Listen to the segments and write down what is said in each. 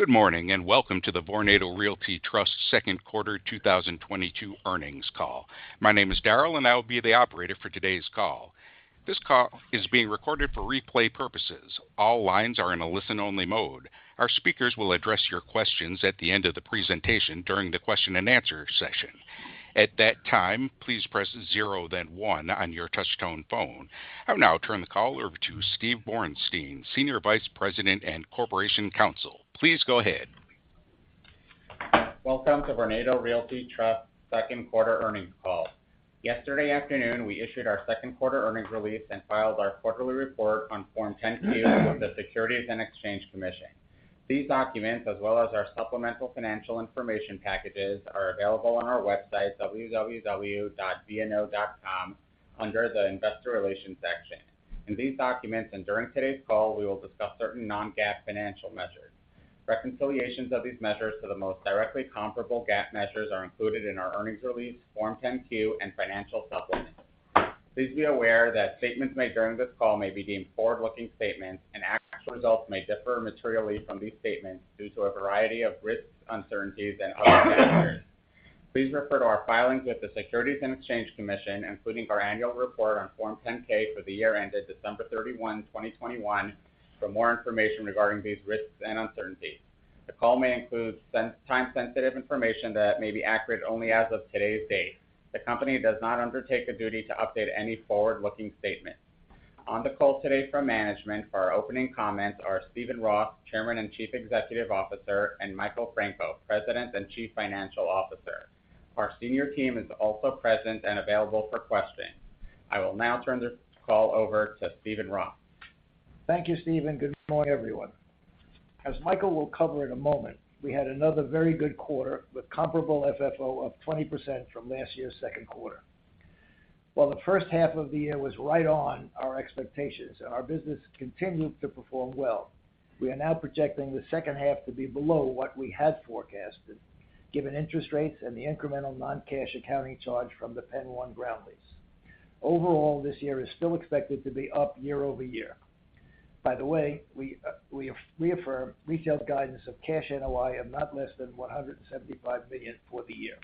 Good morning, and welcome to the Vornado Realty Trust second quarter 2022 earnings call. My name is Daryl, and I will be the operator for today's call. This call is being recorded for replay purposes. All lines are in a listen-only mode. Our speakers will address your questions at the end of the presentation during the question-and-answer session. At that time, please press zero then one on your touchtone phone. I'll now turn the call over to Steven Borenstein, Senior Vice President and Corporation Counsel. Please go ahead. Welcome to Vornado Realty Trust Second Quarter earnings call. Yesterday afternoon, we issued our Second Quarter earnings release and filed our quarterly report on Form 10-Q with the Securities and Exchange Commission. These documents, as well as our supplemental financial information packages, are available on our website www.vno.com under the Investor Relations section. In these documents and during today's call, we will discuss certain Non-GAAP financial measures. Reconciliations of these measures to the most directly comparable GAAP measures are included in our earnings release, Form 10-Q, and financial supplements. Please be aware that statements made during this call may be deemed forward-looking statements and actual results may differ materially from these statements due to a variety of risks, uncertainties, and other factors. Please refer to our filings with the Securities and Exchange Commission, including our annual report on Form 10-K for the year ended December 31, 2021 for more information regarding these risks and uncertainties. The call may include time-sensitive information that may be accurate only as of today's date. The company does not undertake a duty to update any forward-looking statement. On the call today from management for our opening comments are Steven Roth, Chairman and Chief Executive Officer, and Michael Franco, President and Chief Financial Officer. Our senior team is also present and available for questioning. I will now turn this call over to Steven Roth. Thank you, Steven. Good morning, everyone. As Michael will cover in a moment, we had another very good quarter with comparable FFO of 20% from last year's second quarter. While the first half of the year was right on our expectations and our business continued to perform well, we are now projecting the second half to be below what we had forecasted given interest rates and the incremental non-cash accounting charge from the PENN 1 ground lease. Overall, this year is still expected to be up year-over-year. By the way, we reaffirm retail guidance of cash NOI of not less than $175 million for the year.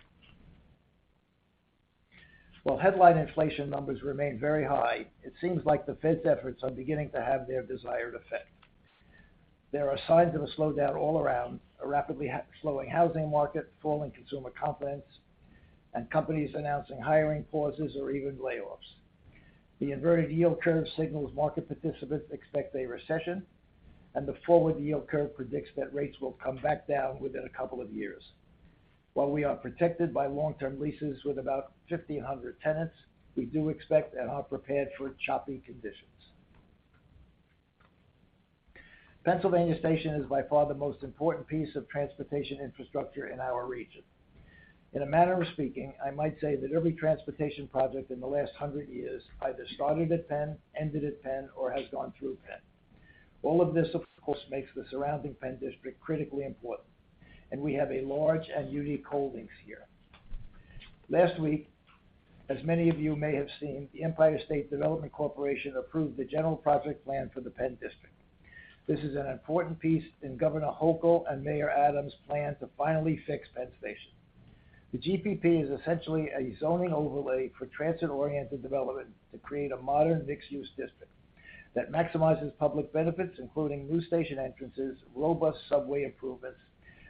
While headline inflation numbers remain very high, it seems like the Fed's efforts are beginning to have their desired effect. There are signs of a slowdown all around, a rapidly slowing housing market, falling consumer confidence, and companies announcing hiring pauses or even layoffs. The inverted yield curve signals market participants expect a recession, and the forward yield curve predicts that rates will come back down within a couple of years. While we are protected by long-term leases with about 1,500 tenants, we do expect and are prepared for choppy conditions. Pennsylvania Station is by far the most important piece of transportation infrastructure in our region. In a manner of speaking, I might say that every transportation project in the last 100 years either started at PENN, ended at PENN, or has gone through PENN. All of this, of course, makes the surrounding PENN District critically important, and we have a large and unique holdings here. Last week, as many of you may have seen, the Empire State Development Corporation approved the general project plan for the PENN District. This is an important piece in Governor Hochul and Mayor Adams' plan to finally fix PENN Station. The GPP is essentially a zoning overlay for transit-oriented development to create a modern mixed-use district that maximizes public benefits, including new station entrances, robust subway improvements,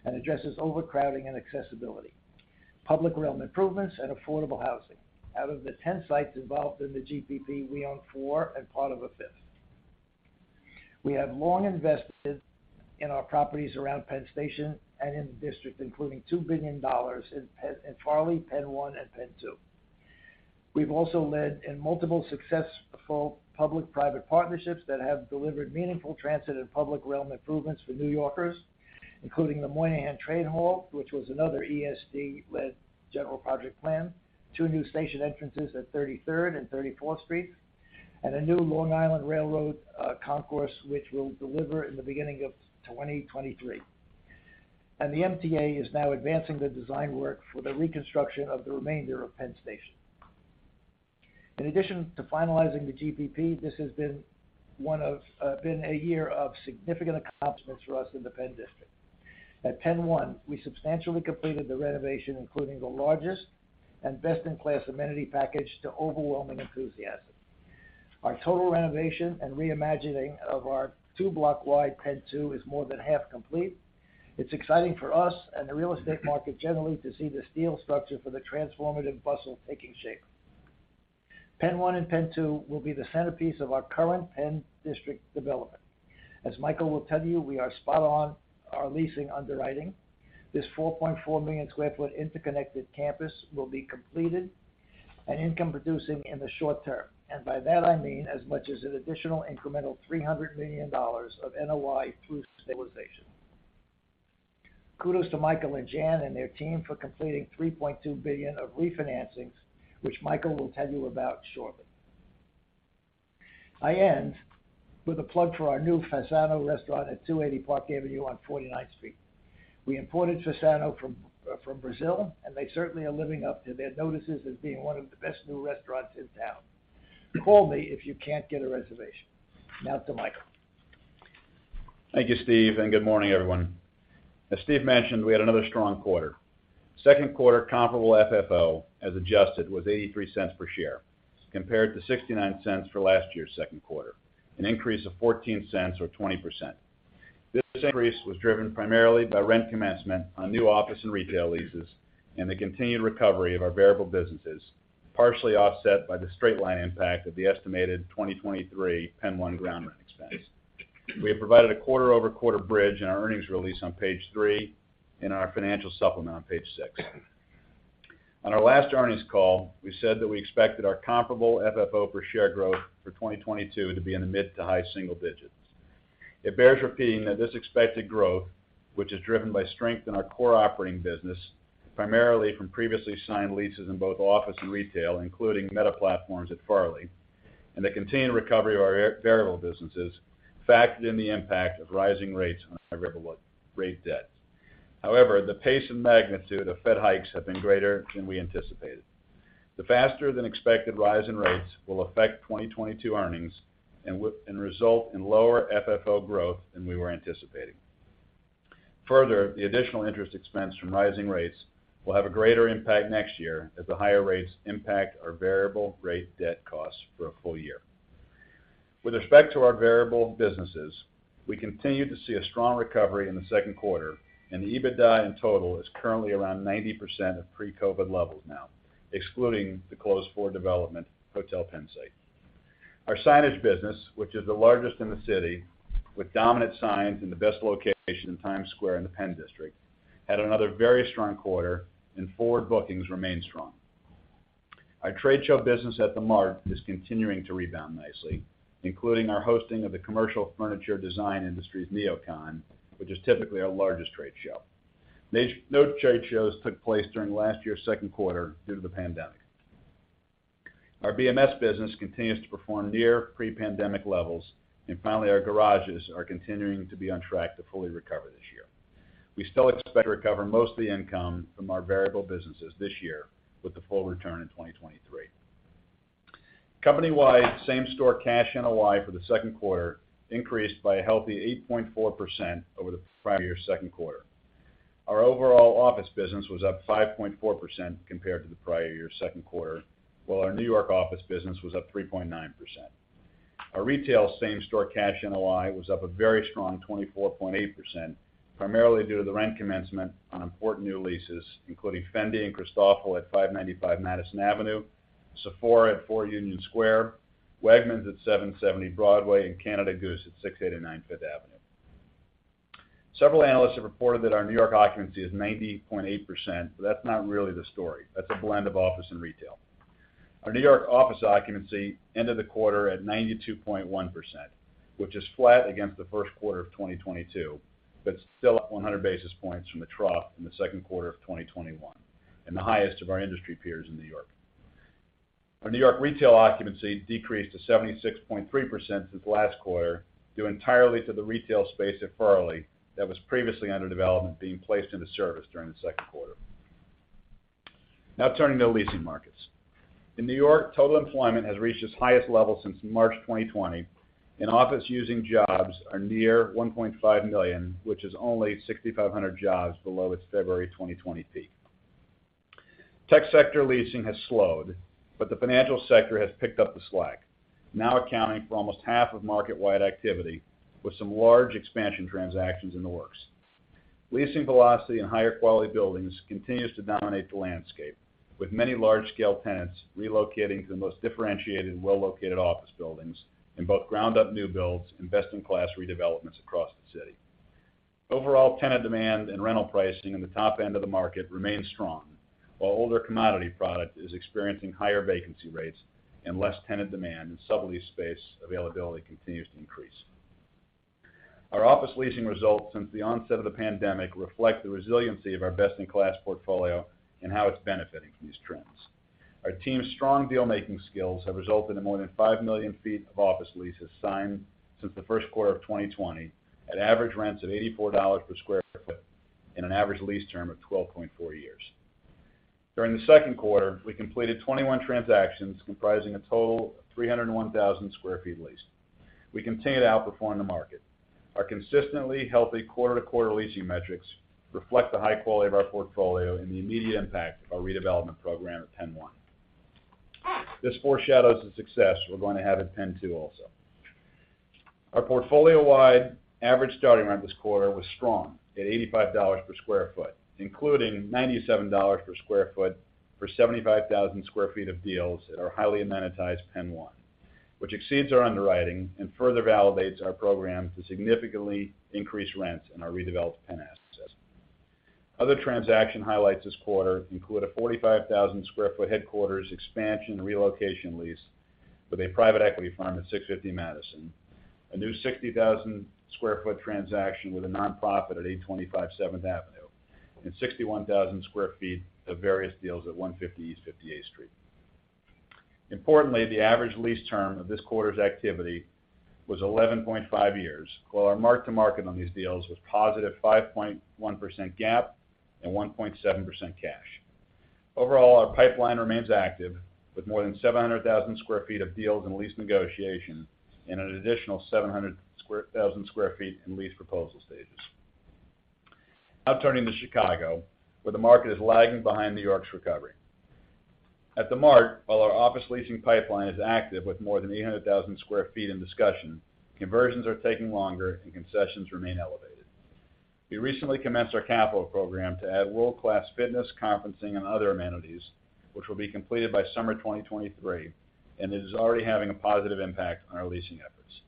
and addresses overcrowding and accessibility, public realm improvements, and affordable housing. Out of the 10 sites involved in the GPP, we own four and part of a fifth. We have long invested in our properties around PENN Station and in the district, including $2 billion in Farley, PENN, and PENN 2. We've also led in multiple successful public-private partnerships that have delivered meaningful transit and public realm improvements for New Yorkers, including the Moynihan Train Hall, which was another ESD-led general project plan, two new station entrances at 33rd and 34th Streets, and a new Long Island Rail Road concourse which we'll deliver in the beginning of 2023. The MTA is now advancing the design work for the reconstruction of the remainder of PENN Station. In addition to finalizing the GPP, this has been a year of significant accomplishments for us in the PENN District. At PENN 1, we substantially completed the renovation, including the largest and best-in-class amenity package to overwhelming enthusiasm. Our total renovation and reimagining of our two-block wide PENN 2 is more than half complete. It's exciting for us and the real estate market generally to see the steel structure for the transformative bustle taking shape. PENN 1 and PENN 2 will be the centerpiece of our current PENN District development. As Michael will tell you, we are spot on our leasing underwriting. This 4.4 million sq ft interconnected campus will be completed and income producing in the short term. By that I mean as much as an additional incremental $300 million of NOI through stabilization. Kudos to Michael and Jan and their team for completing $3.2 billion of refinancings, which Michael will tell you about shortly. I end with a plug for our new Fasano restaurant at 280 Park Avenue on 49th Street. We imported Fasano from Brazil, and they certainly are living up to their notices as being one of the best new restaurants in town. Call me if you can't get a reservation. Now to Michael. Thank you, Steve, and good morning, everyone. As Steve mentioned, we had another strong quarter. Second quarter comparable FFO, as adjusted, was $0.83 per share as compared to $0.69 for last year's second quarter, an increase of $0.14 or 20%. This increase was driven primarily by rent commencement on new office and retail leases and the continued recovery of our variable businesses, partially offset by the straight line impact of the estimated 2023 PENN 1 ground rent expense. We have provided a quarter-over-quarter bridge in our earnings release on page three in our financial supplement on page six. On our last earnings call, we said that we expected our comparable FFO per share growth for 2022 to be in the mid to high single digits. It bears repeating that this expected growth, which is driven by strength in our core operating business, primarily from previously signed leases in both office and retail, including Meta Platforms at Farley, and the continued recovery of our variable businesses, factored in the impact of rising rates on our variable rate debt. However, the pace and magnitude of Fed hikes have been greater than we anticipated. The faster than expected rise in rates will affect 2022 earnings and result in lower FFO growth than we were anticipating. Further, the additional interest expense from rising rates will have a greater impact next year as the higher rates impact our variable rate debt costs for a full year. With respect to our variable businesses, we continue to see a strong recovery in the second quarter, and the EBITDA in total is currently around 90% of pre-COVID levels now, excluding the closed for development Hotel PENN site. Our signage business, which is the largest in the city, with dominant signs in the best location in Times Square in the PENN District, had another very strong quarter and forward bookings remain strong. Our trade show business at the Mart is continuing to rebound nicely, including our hosting of the commercial furniture design industry's NeoCon, which is typically our largest trade show. No trade shows took place during last year's second quarter due to the pandemic. Our BMS business continues to perform near pre-pandemic levels. Finally, our garages are continuing to be on track to fully recover this year. We still expect to recover most of the income from our variable businesses this year with the full return in 2023. Company-wide same-store cash NOI for the second quarter increased by a healthy 8.4% over the prior year's second quarter. Our overall office business was up 5.4% compared to the prior year's second quarter, while our New York office business was up 3.9%. Our retail same-store cash NOI was up a very strong 24.8%, primarily due to the rent commencement on important new leases, including Fendi and Christofle at 595 Madison Avenue, Sephora at 4 Union Square, Wegmans at 770 Broadway, and Canada Goose at 689 Fifth Avenue. Several analysts have reported that our New York occupancy is 90.8%, but that's not really the story. That's a blend of office and retail. Our New York office occupancy ended the quarter at 92.1%, which is flat against the first quarter of 2022, but still up 100 basis points from the trough in the second quarter of 2021 and the highest of our industry peers in New York. Our New York retail occupancy decreased to 76.3% since last quarter, due entirely to the retail space at Farley that was previously under development being placed into service during the second quarter. Now turning to leasing markets. In New York, total employment has reached its highest level since March 2020, and office using jobs are near 1.5 million, which is only 6,500 jobs below its February 2020 peak. Tech sector leasing has slowed, but the financial sector has picked up the slack, now accounting for almost half of market-wide activity with some large expansion transactions in the works. Leasing velocity in higher quality buildings continues to dominate the landscape, with many large-scale tenants relocating to the most differentiated and well-located office buildings in both ground-up new builds and best-in-class redevelopments across the city. Overall tenant demand and rental pricing in the top end of the market remains strong. While older commodity product is experiencing higher vacancy rates and less tenant demand and sublease space availability continues to increase. Our office leasing results since the onset of the pandemic reflect the resiliency of our best-in-class portfolio and how it's benefiting from these trends. Our team's strong deal-making skills have resulted in more than five million sq ft of office leases signed since the first quarter of 2020 at average rents of $84 per sq ft and an average lease term of 12.4 years. During the second quarter, we completed 21 transactions comprising a total of 301,000 sq ft leased. We continue to outperform the market. Our consistently healthy quarter-to-quarter leasing metrics reflect the high quality of our portfolio and the immediate impact of our redevelopment program at PENN 1. This foreshadows the success we're going to have at PENN 2 also. Our portfolio-wide average starting rent this quarter was strong at $85 per sq ft, including $97 per sq ft for 75,000 sq ft of deals at our highly amenitized PENN 1, which exceeds our underwriting and further validates our program to significantly increase rents in our redeveloped PENN assets. Other transaction highlights this quarter include a 45,000 sq ft headquarters expansion relocation lease with a private equity firm at 650 Madison, a new 60,000 sq ft transaction with a nonprofit at 825 Seventh Avenue, and 61,000 sq ft of various deals at 150 East 58th Street. Importantly, the average lease term of this quarter's activity was 11.5 years, while our mark-to-market on these deals was positive 5.1% GAAP and 1.7% cash. Overall, our pipeline remains active, with more than 700,000 sq ft of deals and lease negotiations and an additional 700,000 sq ft in lease proposal stages. Now turning to Chicago, where the market is lagging behind New York's recovery. At The Mart, while our office leasing pipeline is active with more than 800,000 sq ft in discussion, conversions are taking longer and concessions remain elevated. We recently commenced our capital program to add world-class fitness, conferencing, and other amenities, which will be completed by summer 2023, and it is already having a positive impact on our leasing efforts.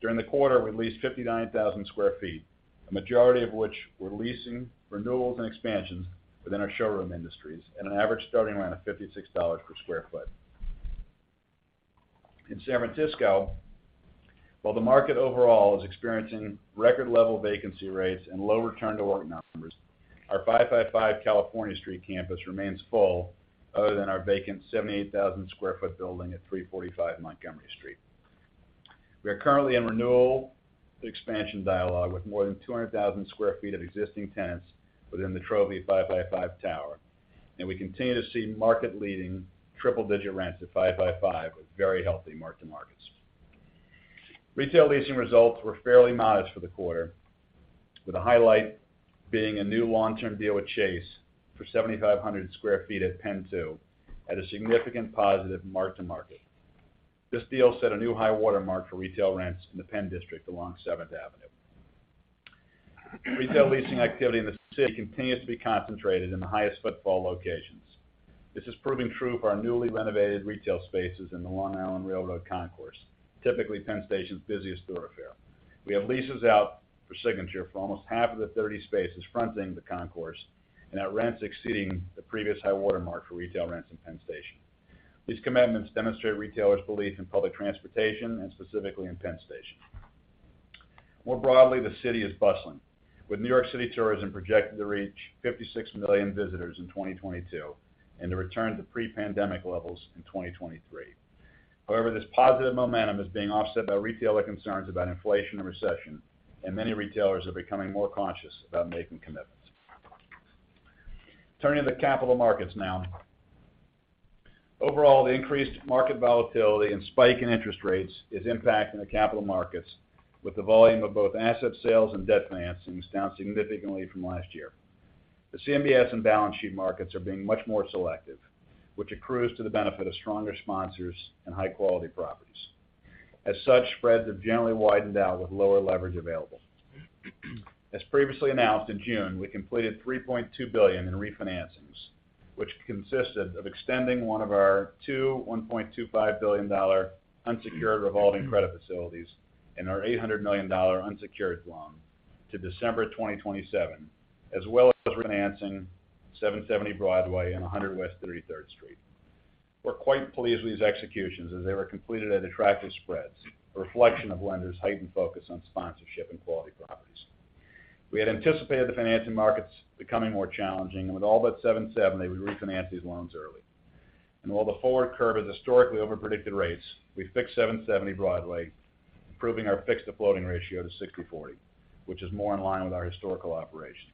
During the quarter, we leased 59,000 sq ft, a majority of which were leasing renewals and expansions within our showroom industries at an average starting rent of $56 per sq ft. In San Francisco, while the market overall is experiencing record level vacancy rates and low return to work numbers, our 555 California Street campus remains full, other than our vacant 78,000 sq ft building at 345 Montgomery Street. We are currently in renewal expansion dialogue with more than 200,000 sq ft of existing tenants within the 555 tower, and we continue to see market leading triple-digit rents at 555 with very healthy mark-to-markets. Retail leasing results were fairly modest for the quarter, with the highlight being a new long-term deal with Chase for 7,500 sq ft at PENN 2 at a significant positive mark-to-market. This deal set a new high watermark for retail rents in the PENN District along Seventh Avenue. Retail leasing activity in the city continues to be concentrated in the highest footfall locations. This is proving true for our newly renovated retail spaces in the Long Island Rail Road Concourse, typically PENN Station's busiest thoroughfare. We have leases out for signature for almost half of the 30 spaces fronting the concourse and at rents exceeding the previous high watermark for retail rents in PENN Station. These commitments demonstrate retailers' belief in public transportation and specifically in PENN Station. More broadly, the city is bustling, with New York City tourism projected to reach 56 million visitors in 2022 and to return to pre-pandemic levels in 2023. However, this positive momentum is being offset by retailer concerns about inflation and recession, and many retailers are becoming more conscious about making commitments. Turning to the capital markets now. Overall, the increased market volatility and spike in interest rates is impacting the capital markets with the volume of both asset sales and debt financings down significantly from last year. The CMBS and balance sheet markets are being much more selective, which accrues to the benefit of stronger sponsors and high-quality properties. As such, spreads have generally widened out with lower leverage available. As previously announced in June, we completed $3.2 billion in refinancings, which consisted of extending one of our two $1.25 billion dollar unsecured revolving credit facilities and our $800 million dollar unsecured loan to December 2027, as well as refinancing 770 Broadway and 100 West 33rd Street. We're quite pleased with these executions as they were completed at attractive spreads, a reflection of lenders' heightened focus on sponsorship and quality properties. We had anticipated the financing markets becoming more challenging, and with all but 770, we refinanced these loans early. While the forward curve has historically overpredicted rates, we fixed 770 Broadway, improving our fixed-to-floating ratio to 60/40, which is more in line with our historical operations.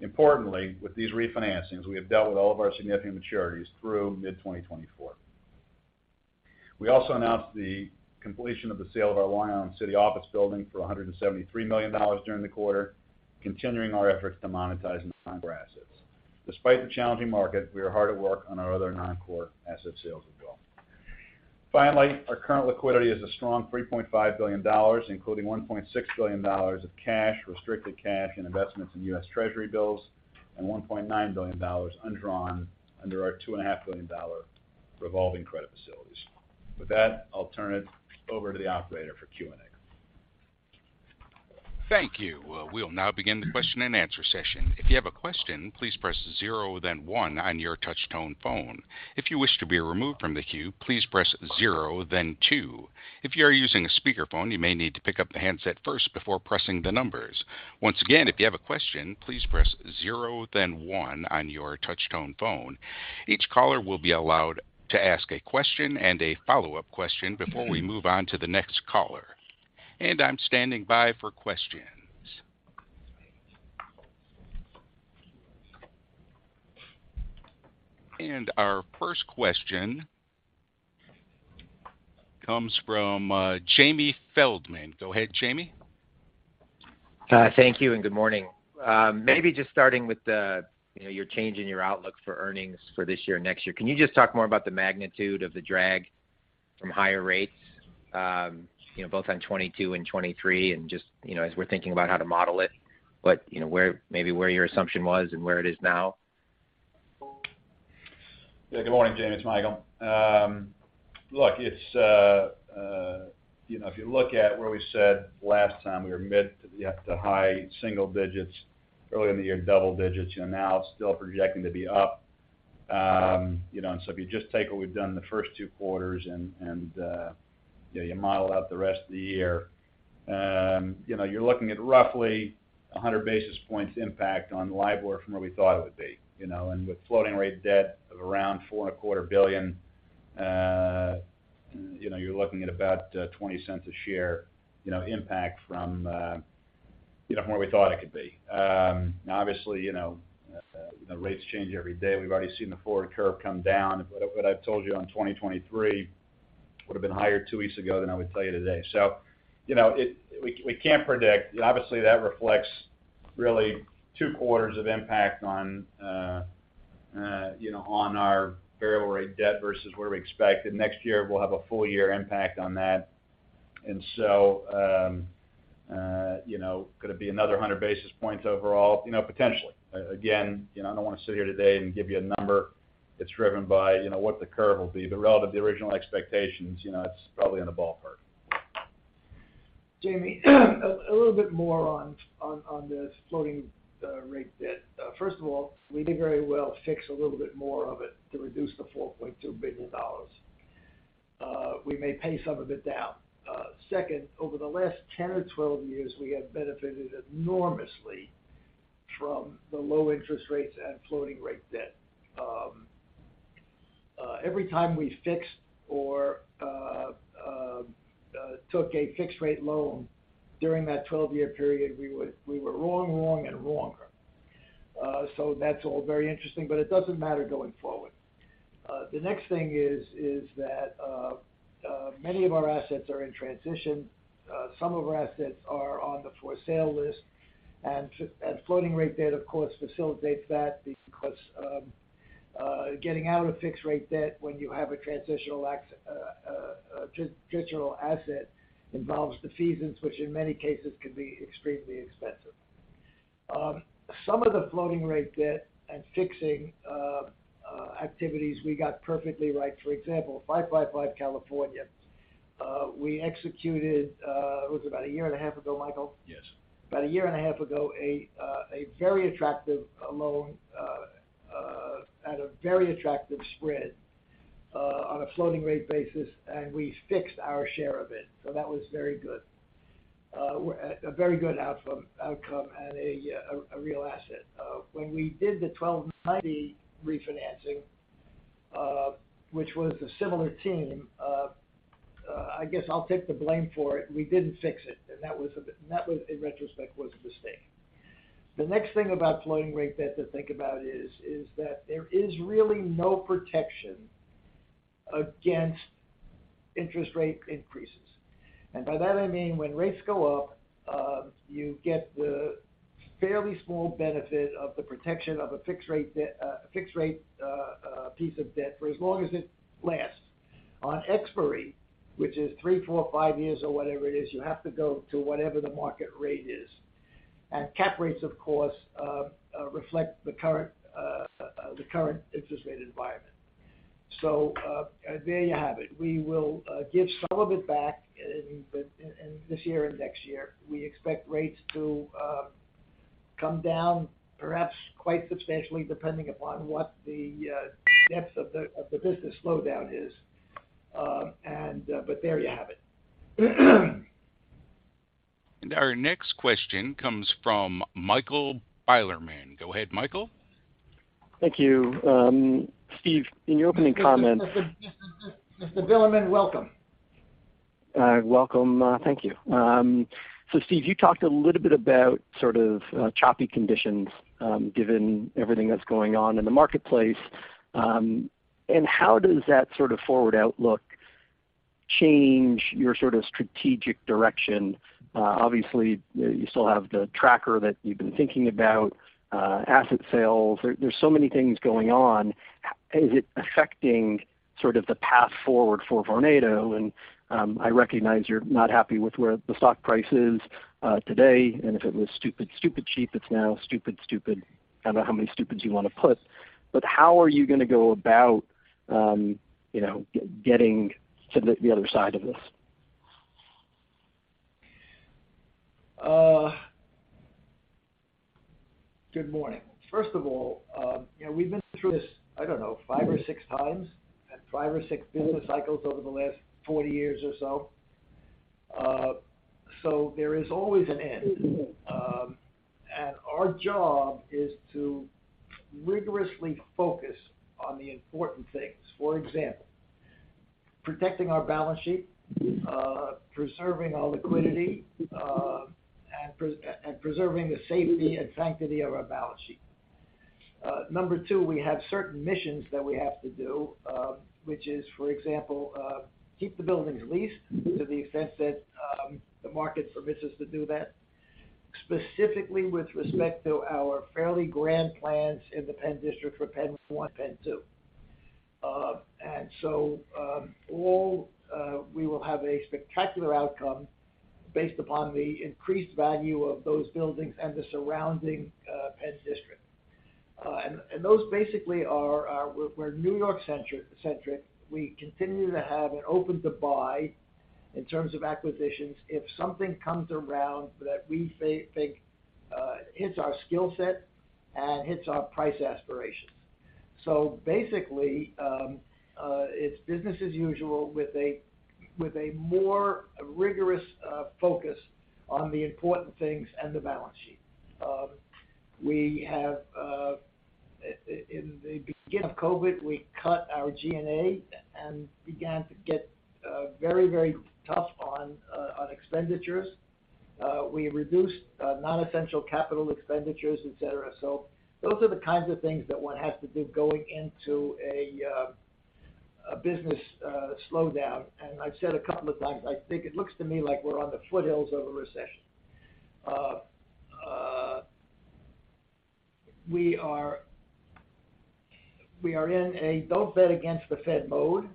Importantly, with these refinancings, we have dealt with all of our significant maturities through mid-2024. We also announced the completion of the sale of our Long Island City office building for $173 million during the quarter, continuing our efforts to monetize non-core assets. Despite the challenging market, we are hard at work on our other non-core asset sales as well. Finally, our current liquidity is a strong $3.5 billion, including $1.6 billion of cash, restricted cash, and investments in U.S. Treasury bills, and $1.9 billion undrawn under our $2.5 billion revolving credit facilities. With that, I'll turn it over to the operator for Q&A. Thank you. We'll now begin the question-and-answer session. If you have a question, please press zero then one on your touch tone phone. If you wish to be removed from the queue, please press zero then two. If you are using a speakerphone, you may need to pick up the handset first before pressing the numbers. Once again, if you have a question, please press zero then one on your touch tone phone. Each caller will be allowed to ask a question and a follow-up question before we move on to the next caller. I'm standing by for questions. Our first question comes from James Feldman. Go ahead, Jamie. Hi. Thank you and good morning. Maybe just starting with the, you know, your change in your outlook for earnings for this year or next year. Can you just talk more about the magnitude of the drag from higher rates, you know, both on 2022 and 2023 and just, you know, as we're thinking about how to model it, but, you know, where your assumption was and where it is now? Yeah. Good morning, Jamie. It's Michael. Look, you know, if you look at where we said last time, we were mid- to high single digits, earlier in the year, double digits. You know, now still projecting to be up, you know, and so if you just take what we've done in the first two quarters and you know, you model out the rest of the year. You're looking at roughly 100 basis points impact on LIBOR from where we thought it would be, you know. With floating rate debt of around $4.25 billion, you know, you're looking at about $0.20 a share, you know, impact from you know, from where we thought it could be. Now, obviously, you know, rates change every day. We've already seen the forward curve come down. What I've told you on 2023 would have been higher two weeks ago than I would tell you today. You know, we can't predict. Obviously, that reflects really two quarters of impact on, you know, on our variable rate debt versus where we expected. Next year, we'll have a full year impact on that. You know, could it be another 100 basis points overall? You know, potentially. Again, you know, I don't want to sit here today and give you a number. It's driven by, you know, what the curve will be. Relative to the original expectations, you know, it's probably in the ballpark. Jamie, a little bit more on this floating rate debt. First of all, we did very well to fix a little bit more of it to reduce to $4.2 billion. We may pay some of it down. Second, over the last 10 or 12 years, we have benefited enormously from the low interest rates and floating rate debt. Every time we fixed or took a fixed rate loan during that 12-year period, we were wrong and wronger. That's all very interesting, but it doesn't matter going forward. The next thing is that many of our assets are in transition. Some of our assets are on the for sale list. Floating rate debt, of course, facilitates that because getting out of fixed rate debt when you have a transitional asset involves defeasance, which in many cases can be extremely expensive. Some of the floating rate debt and fixing activities we got perfectly right. For example, 555 California Street, we executed it was about a year and a half ago, Michael? Yes. About a year and a half ago, a very attractive loan at a very attractive spread on a floating rate basis, and we fixed our share of it. That was very good. A very good outcome and a real asset. When we did the 1290 refinancing, which was a similar team, I guess I'll take the blame for it, we didn't fix it, and that was, in retrospect, a mistake. The next thing about floating rate debt to think about is that there is really no protection against interest rate increases. By that, I mean, when rates go up, you get the fairly small benefit of the protection of a fixed rate piece of debt for as long as it lasts. On expiry, which is three, four, five years or whatever it is, you have to go to whatever the market rate is. Cap rates, of course, reflect the current interest rate environment. There you have it. We will give some of it back in this year and next year. We expect rates to come down perhaps quite substantially, depending upon what the depth of the business slowdown is. But there you have it. Our next question comes from Michael Bilerman. Go ahead, Michael. Thank you. Steve, in your opening comments. Mr. Bilerman, welcome. Welcome. Thank you. Steve, you talked a little bit about sort of choppy conditions, given everything that's going on in the marketplace. How does that sort of forward outlook change your sort of strategic direction? Obviously, you still have the tracker that you've been thinking about, asset sales. There's so many things going on. Is it affecting sort of the path forward for Vornado? I recognize you're not happy with where the stock price is, today, and if it was stupid cheap, it's now stupid. I don't know how many stupids you want to put. How are you gonna go about, you know, getting to the other side of this? Good morning. First of all, you know, we've been through this, I don't know, five or six times and five or six business cycles over the last 40 years or so. There is always an end. Our job is to rigorously focus on the important things. For example, protecting our balance sheet, preserving our liquidity, and preserving the safety and sanctity of our balance sheet. Number two, we have certain missions that we have to do, which is, for example, keep the buildings leased to the extent that the market permits us to do that, specifically with respect to our fairly grand plans in the Penn District for PENN 1, PENN 2. We will have a spectacular outcome based upon the increased value of those buildings and the surrounding Penn District. Those basically are -- we're New York-centric. We continue to have an open to buy in terms of acquisitions. If something comes around that we think it hits our skill set and hits our price aspirations. Basically, it's business as usual with a more rigorous focus on the important things and the balance sheet. We have in the beginning of COVID, we cut our G&A and began to get very tough on expenditures. We reduced non-essential capital expenditures, et cetera. Those are the kinds of things that one has to do going into a business slowdown. I've said a couple of times, I think it looks to me like we're on the foothills of a recession. We are in a don't bet against the Fed mode,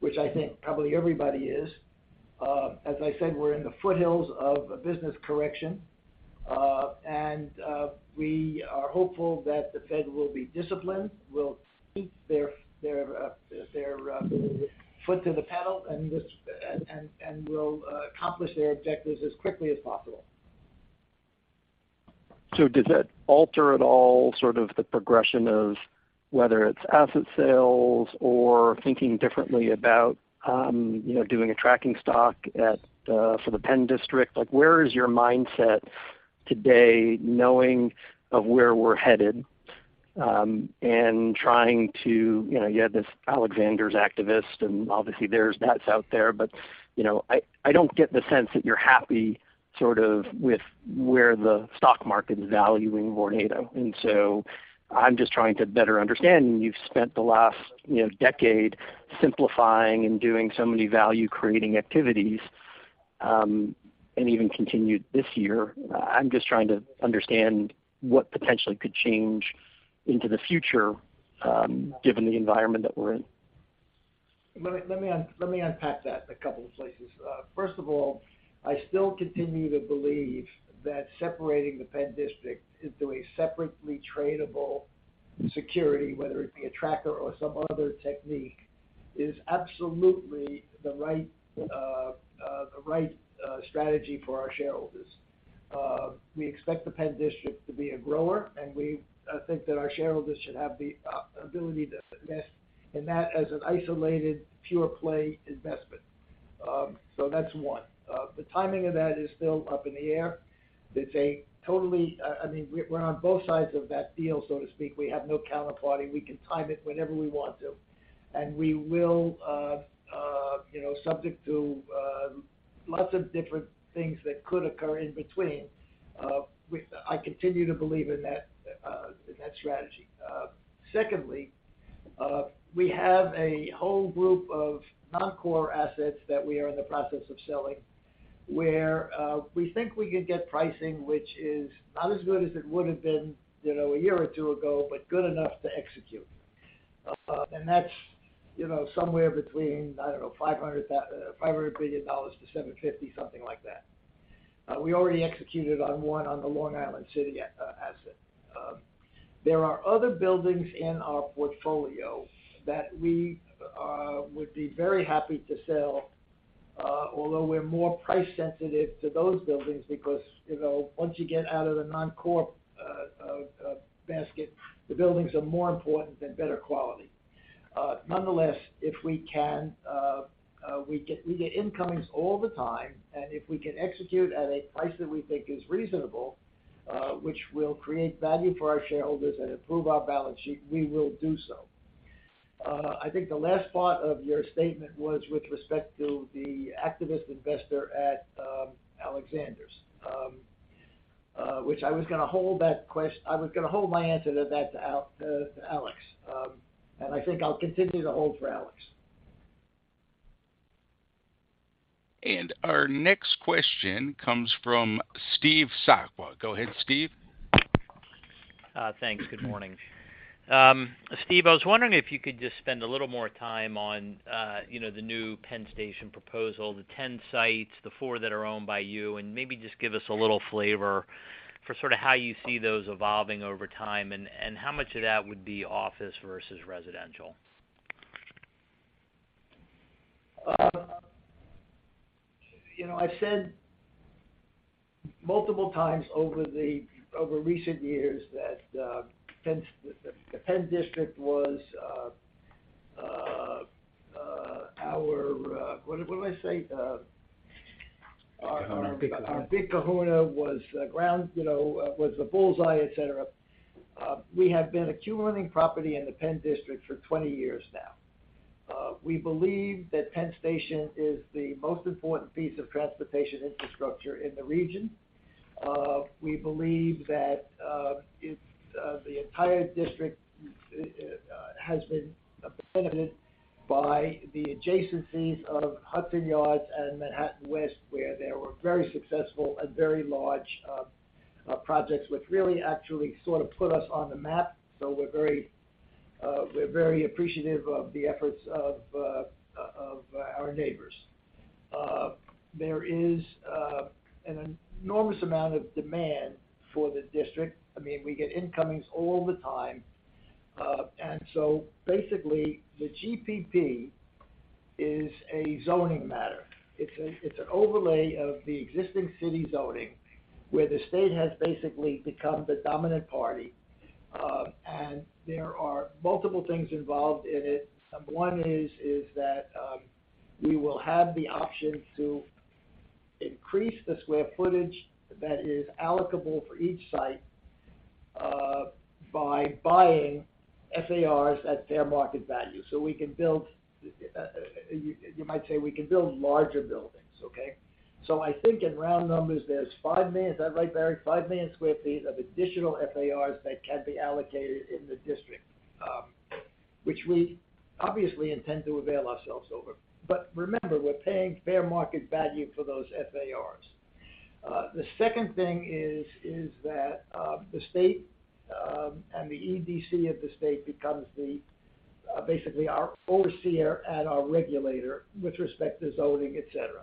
which I think probably everybody is. As I said, we're in the foothills of a business correction. We are hopeful that the Fed will be disciplined, will keep their foot to the pedal, and will accomplish their objectives as quickly as possible. Does that alter at all sort of the progression of whether it's asset sales or thinking differently about, you know, doing a tracking stock at, for the Penn district? Like, where is your mindset today knowing of where we're headed, and trying to, you know, you had this Alexander's activist, and obviously that's out there. You know, I don't get the sense that you're happy sort of with where the stock market is valuing Vornado. I'm just trying to better understand. You've spent the last, you know, decade simplifying and doing so many value-creating activities, and even continued this year. I'm just trying to understand what potentially could change into the future, given the environment that we're in. Let me unpack that a couple of places. First of all, I still continue to believe that separating the Penn District into a separately tradable security, whether it be a tracker or some other technique, is absolutely the right strategy for our shareholders. We expect the Penn District to be a grower, and we think that our shareholders should have the ability to invest in that as an isolated pure play investment. That's one. The timing of that is still up in the air. I mean, we're on both sides of that deal, so to speak. We have no counterparty. We can time it whenever we want to, and we will, you know, subject to lots of different things that could occur in between. I continue to believe in that strategy. Secondly, we have a whole group of non-core assets that we are in the process of selling, where we think we could get pricing which is not as good as it would have been, you know, a year or two ago, but good enough to execute. That's, you know, somewhere between, I don't know, $500 million-$750 million, something like that. We already executed on one on the Long Island City asset. There are other buildings in our portfolio that we would be very happy to sell, although we're more price sensitive to those buildings because, you know, once you get out of the non-core basket, the buildings are more important and better quality. Nonetheless, if we can, we get incomings all the time, and if we can execute at a price that we think is reasonable, which will create value for our shareholders and improve our balance sheet, we will do so. I think the last part of your statement was with respect to the activist investor at Alexander's, which I was gonna hold my answer to that to Alex. I think I'll continue to hold for Alex. Our next question comes from Steve Sakwa. Go ahead, Steve. Thanks. Good morning. Steve, I was wondering if you could just spend a little more time on, you know, the new Penn Station proposal, the 10 sites, the four that are owned by you, and maybe just give us a little flavor for sort of how you see those evolving over time, and how much of that would be office versus residential. You know, I've said multiple times over recent years that PENN, the Penn District was our what did I say? Big kahuna. Our big kahuna was ground zero, you know, was the bull's eye, et cetera. We have been accumulating property in the Penn District for 20 years now. We believe that Penn Station is the most important piece of transportation infrastructure in the region. We believe that it's the entire district has been benefited by the adjacencies of Hudson Yards and Manhattan West, where there were very successful and very large projects, which really actually sort of put us on the map. We're very appreciative of the efforts of our neighbors. There is an enormous amount of demand for the district. I mean, we get inquiries all the time. Basically, the GPP is a zoning matter. It's an overlay of the existing city zoning, where the state has basically become the dominant party. There are multiple things involved in it. One is that we will have the option to increase the square footage that is allocable for each site by buying FARs at fair market value. So we can build. You might say, we can build larger buildings, okay? So I think in round numbers, there's five million, is that right, Barry? five million sq ft of additional FARs that can be allocated in the district, which we obviously intend to avail ourselves of. But remember, we're paying fair market value for those FARs. The second thing is that the state and the EDC of the state becomes basically our overseer and our regulator with respect to zoning, et cetera.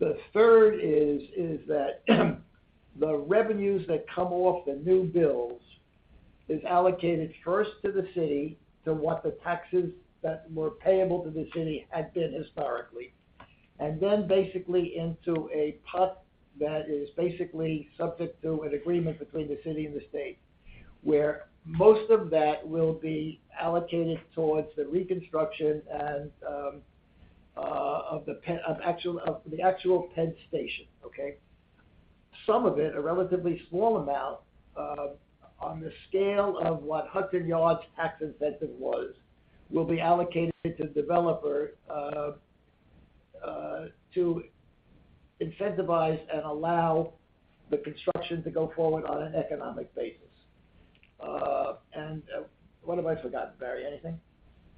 The third is that the revenues that come off the new builds is allocated first to the city to what the taxes that were payable to the city had been historically, and then basically into a pot that is basically subject to an agreement between the city and the state, where most of that will be allocated towards the reconstruction and of the actual Penn Station, okay? Some of it, a relatively small amount, on the scale of what Hudson Yards tax incentive was, will be allocated to the developer, to incentivize and allow the construction to go forward on an economic basis. What have I forgotten, Barry? Anything?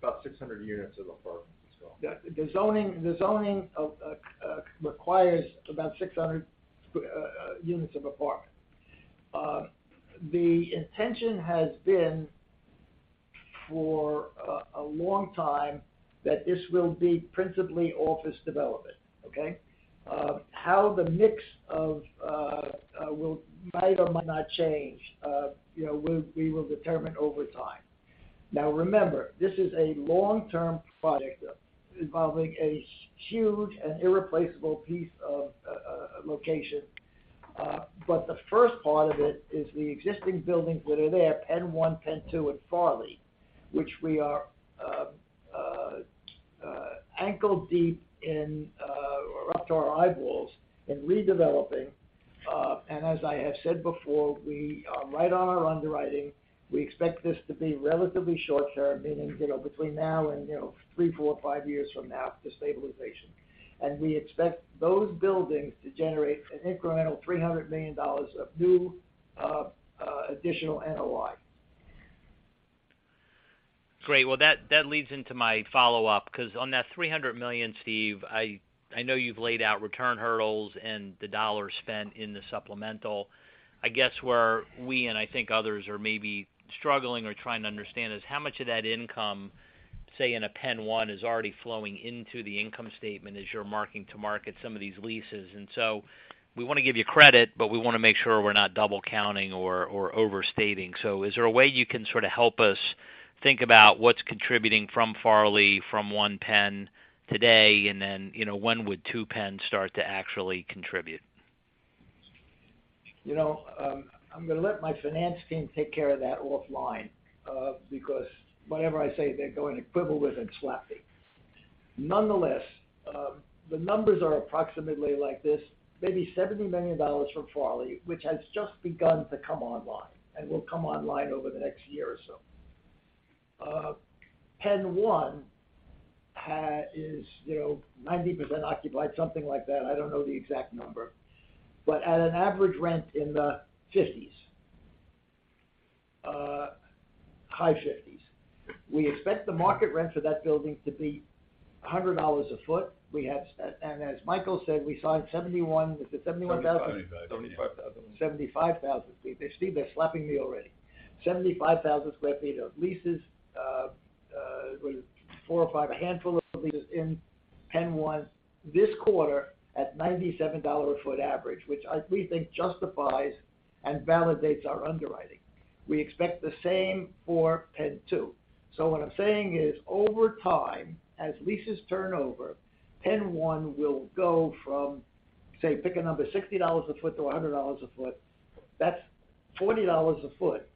About 600 units of apartments as well. Yeah. The zoning requires about 600 units of apartment. The intention has been for a long time that this will be principally office development, okay? How the mix might or might not change, you know, we will determine over time. Now, remember, this is a long-term project involving a huge and irreplaceable piece of location. The first part of it is the existing buildings that are there, PENN 1, PENN 2, and Farley, which we are ankle-deep in or up to our eyeballs in redeveloping. As I have said before, we are right on our underwriting. We expect this to be relatively short term, meaning, you know, between now and, you know, three, four, five years from now to stabilization. We expect those buildings to generate an incremental $300 million of new, additional NOI. Great. Well, that leads into my follow-up, because on that $300 million, Steve, I know you've laid out return hurdles and the dollars spent in the supplemental. I guess where we and I think others are maybe struggling or trying to understand is how much of that income, say in a PENN 1, is already flowing into the income statement as you're marking to market some of these leases. We wanna give you credit, but we wanna make sure we're not double counting or overstating. Is there a way you can sort of help us think about what's contributing from Farley, from One Penn today, and then, you know, when would Two Penn start to actually contribute? You know, I'm gonna let my finance team take care of that offline, because whenever I say they're going to quibble with and slap me. Nonetheless, the numbers are approximately like this, maybe $70 million from Farley, which has just begun to come online and will come online over the next year or so. PENN 1 is, you know, 90% occupied, something like that. I don't know the exact number. At an average rent in the $50s, high $50s. We expect the market rent for that building to be $100 a foot. As Michael said, we signed 71. Is it 71 thousand? Seventy-five. 75,000. 75,000. See, Steve, they're slapping me already. 75,000 sq ft of leases, with four or five, a handful of leases in PENN 1 this quarter at $97 a foot average, which we think justifies and validates our underwriting. We expect the same for PENN 2. What I'm saying is, over time, as leases turn over, PENN 1 will go from, say, pick a number, $60 a foot to $100 a foot. That's $40 a foot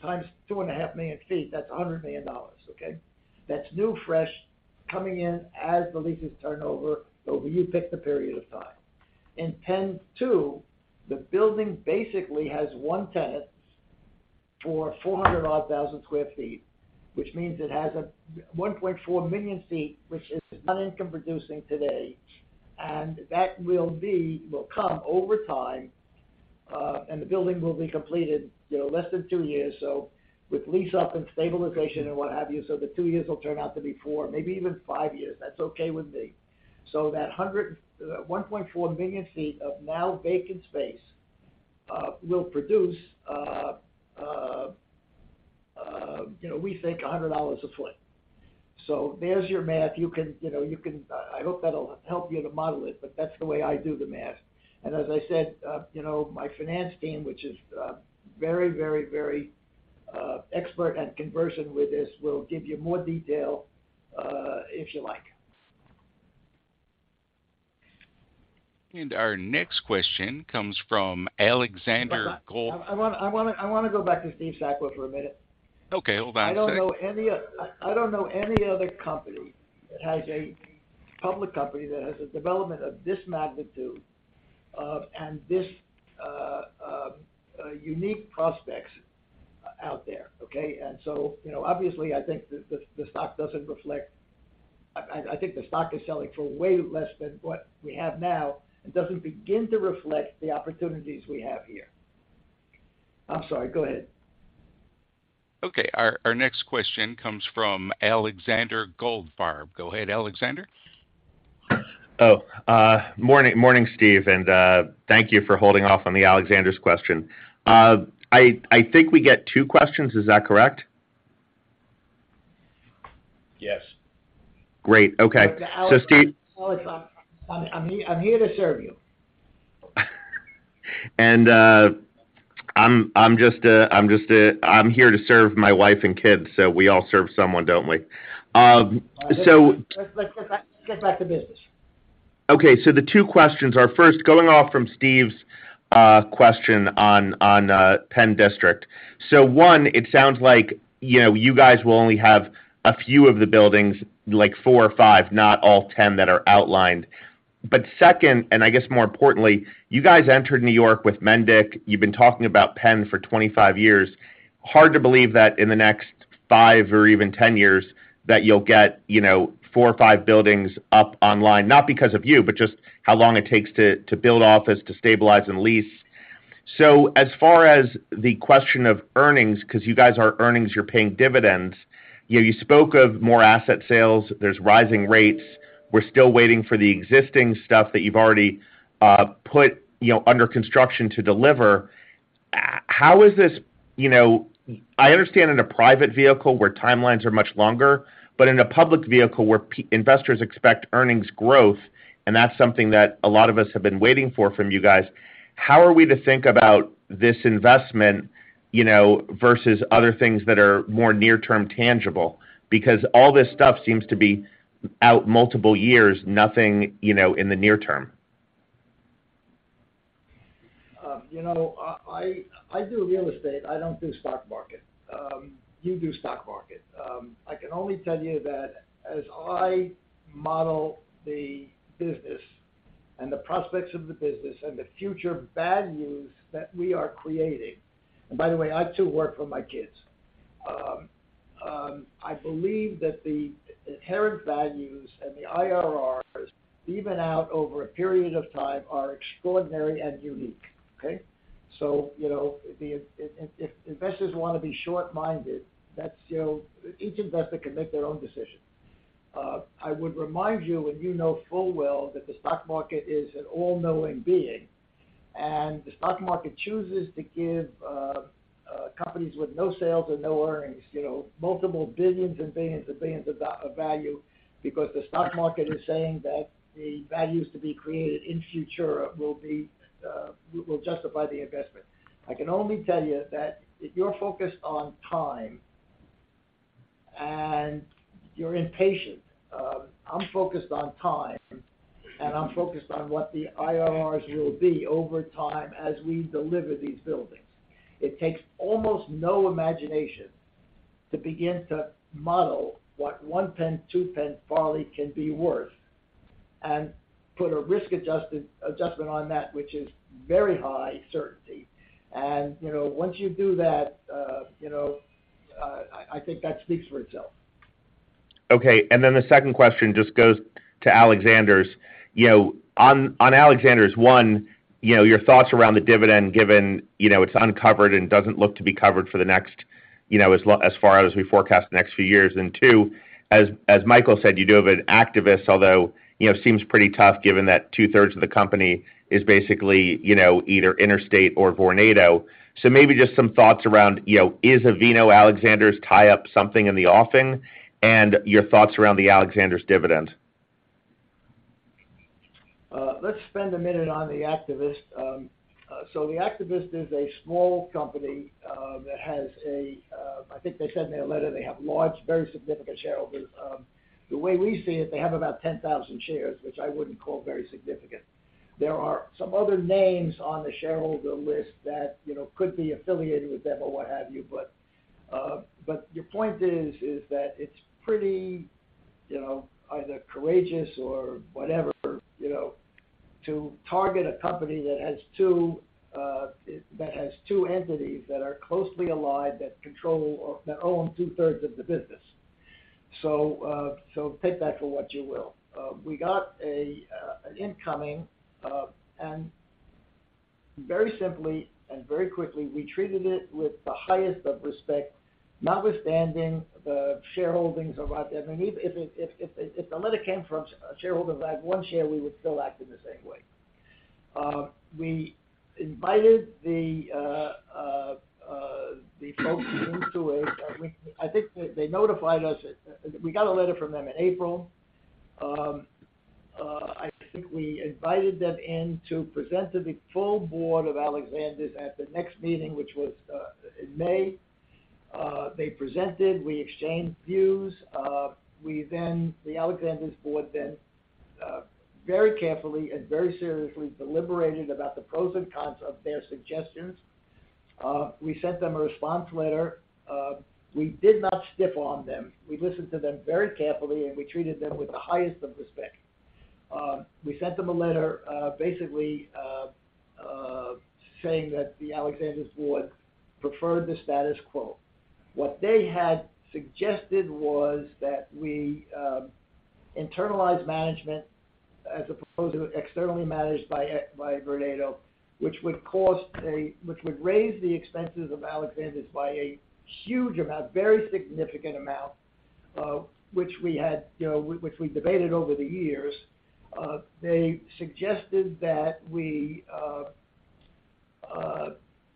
times 2.5 million sq ft. That's $100 million, okay? That's new, fresh, coming in as the leases turn over you pick the period of time. In PENN 2, the building basically has one tenant for 400,000 sq ft, which means it has 1.4 million sq ft, which is not income producing today. That will come over time, and the building will be completed, you know, less than two years. With lease up and stabilization and what have you, the two years will turn out to be four, maybe even five years. That's okay with me. That 1.4 million sq ft of now vacant space will produce, you know, we think $100 a sq ft. There's your math. You can, you know, I hope that'll help you to model it, but that's the way I do the math. As I said, you know, my finance team, which is very expert at conversations with this, will give you more detail, if you like. Our next question comes from Alexander Goldfarb. I wanna go back to Steve Sakwa for a minute. Okay, hold on a sec. I don't know any other company that has a public company that has a development of this magnitude, and this unique prospects out there, okay? You know, obviously, I think the stock doesn't reflect. I think the stock is selling for way less than what we have now. It doesn't begin to reflect the opportunities we have here. I'm sorry. Go ahead. Okay, our next question comes from Alexander Goldfarb. Go ahead, Alexander. Morning, Steve. Thank you for holding off on the Alexander's question. I think we get two questions. Is that correct? Yes. Great. Okay, Steve. Alex, I'm here to serve you. I'm here to serve my wife and kids, so we all serve someone, don't we? Let's get back to business. Okay, the two questions are, first, going off from Steve's question on Penn District. One, it sounds like, you know, you guys will only have a few of the buildings, like four or five, not all 10 that are outlined. Second, and I guess more importantly, you guys entered New York with Mendik. You've been talking about Penn for 25 years. Hard to believe that in the next five or even 10 years that you'll get, you know, four or five buildings up online, not because of you, but just how long it takes to build office, to stabilize and lease. As far as the question of earnings, 'cause you guys are earnings, you're paying dividends, you know, you spoke of more asset sales. There's rising rates. We're still waiting for the existing stuff that you've already put, you know, under construction to deliver. How is this, you know? I understand in a private vehicle where timelines are much longer, but in a public vehicle where investors expect earnings growth, and that's something that a lot of us have been waiting for from you guys. How are we to think about this investment, you know, versus other things that are more near-term tangible? Because all this stuff seems to be out multiple years, nothing, you know, in the near term. You know, I do real estate. I don't do stock market. You do stock market. I can only tell you that as I model the business and the prospects of the business and the future values that we are creating, and by the way, I too work for my kids, I believe that the inherent values and the IRRs, even out over a period of time, are extraordinary and unique. Okay? You know, if investors wanna be short-minded, that's, you know, each investor can make their own decision. I would remind you, and you know full well, that the stock market is an all-knowing being, and the stock market chooses to give companies with no sales and no earnings, you know, multiple billions of value because the stock market is saying that the values to be created in future will justify the investment. I can only tell you that if you're focused on time and you're impatient, I'm focused on time, and I'm focused on what the IRRs will be over time as we deliver these buildings. It takes almost no imagination to begin to model what one PENN, two PENN, Farley can be worth and put a risk adjusted adjustment on that which is very high certainty. You know, once you do that, you know, I think that speaks for itself. Okay. Then the second question just goes to Alexander's. You know, on Alexander's, one, you know, your thoughts around the dividend given, you know, it's uncovered and doesn't look to be covered for the next, you know, as far out as we forecast the next few years. Two, as Michael said, you do have an activist, although, you know, seems pretty tough given that two-thirds of the company is basically, you know, either Interstate or Vornado. Maybe just some thoughts around, you know, is a Vornado, Alexander's tie-up something in the offing? Your thoughts around the Alexander's dividend. Let's spend a minute on the activist. The activist is a small company. I think they said in their letter they have large, very significant shareholders. The way we see it, they have about 10,000 shares, which I wouldn't call very significant. There are some other names on the shareholder list that, you know, could be affiliated with them or what have you. Your point is that it's pretty, you know, either courageous or whatever, you know, to target a company that has two entities that are closely aligned that control or that own two-thirds of the business. Take that for what you will. We got an incoming, and very simply and very quickly, we treated it with the highest of respect, notwithstanding the shareholdings of. I think we invited them in to present to the full board of Alexander's at the next meeting, which was in May. They presented, we exchanged views. The Alexander's board then very carefully and very seriously deliberated about the pros and cons of their suggestions. We sent them a response letter. We did not stiff on them. We listened to them very carefully, and we treated them with the highest of respect. We sent them a letter, basically saying that the Alexander's board preferred the status quo. What they had suggested was that we internalize management as opposed to externally managed by Vornado, which would raise the expenses of Alexander's by a huge amount, very significant amount, which we had, you know, which we debated over the years. They suggested that we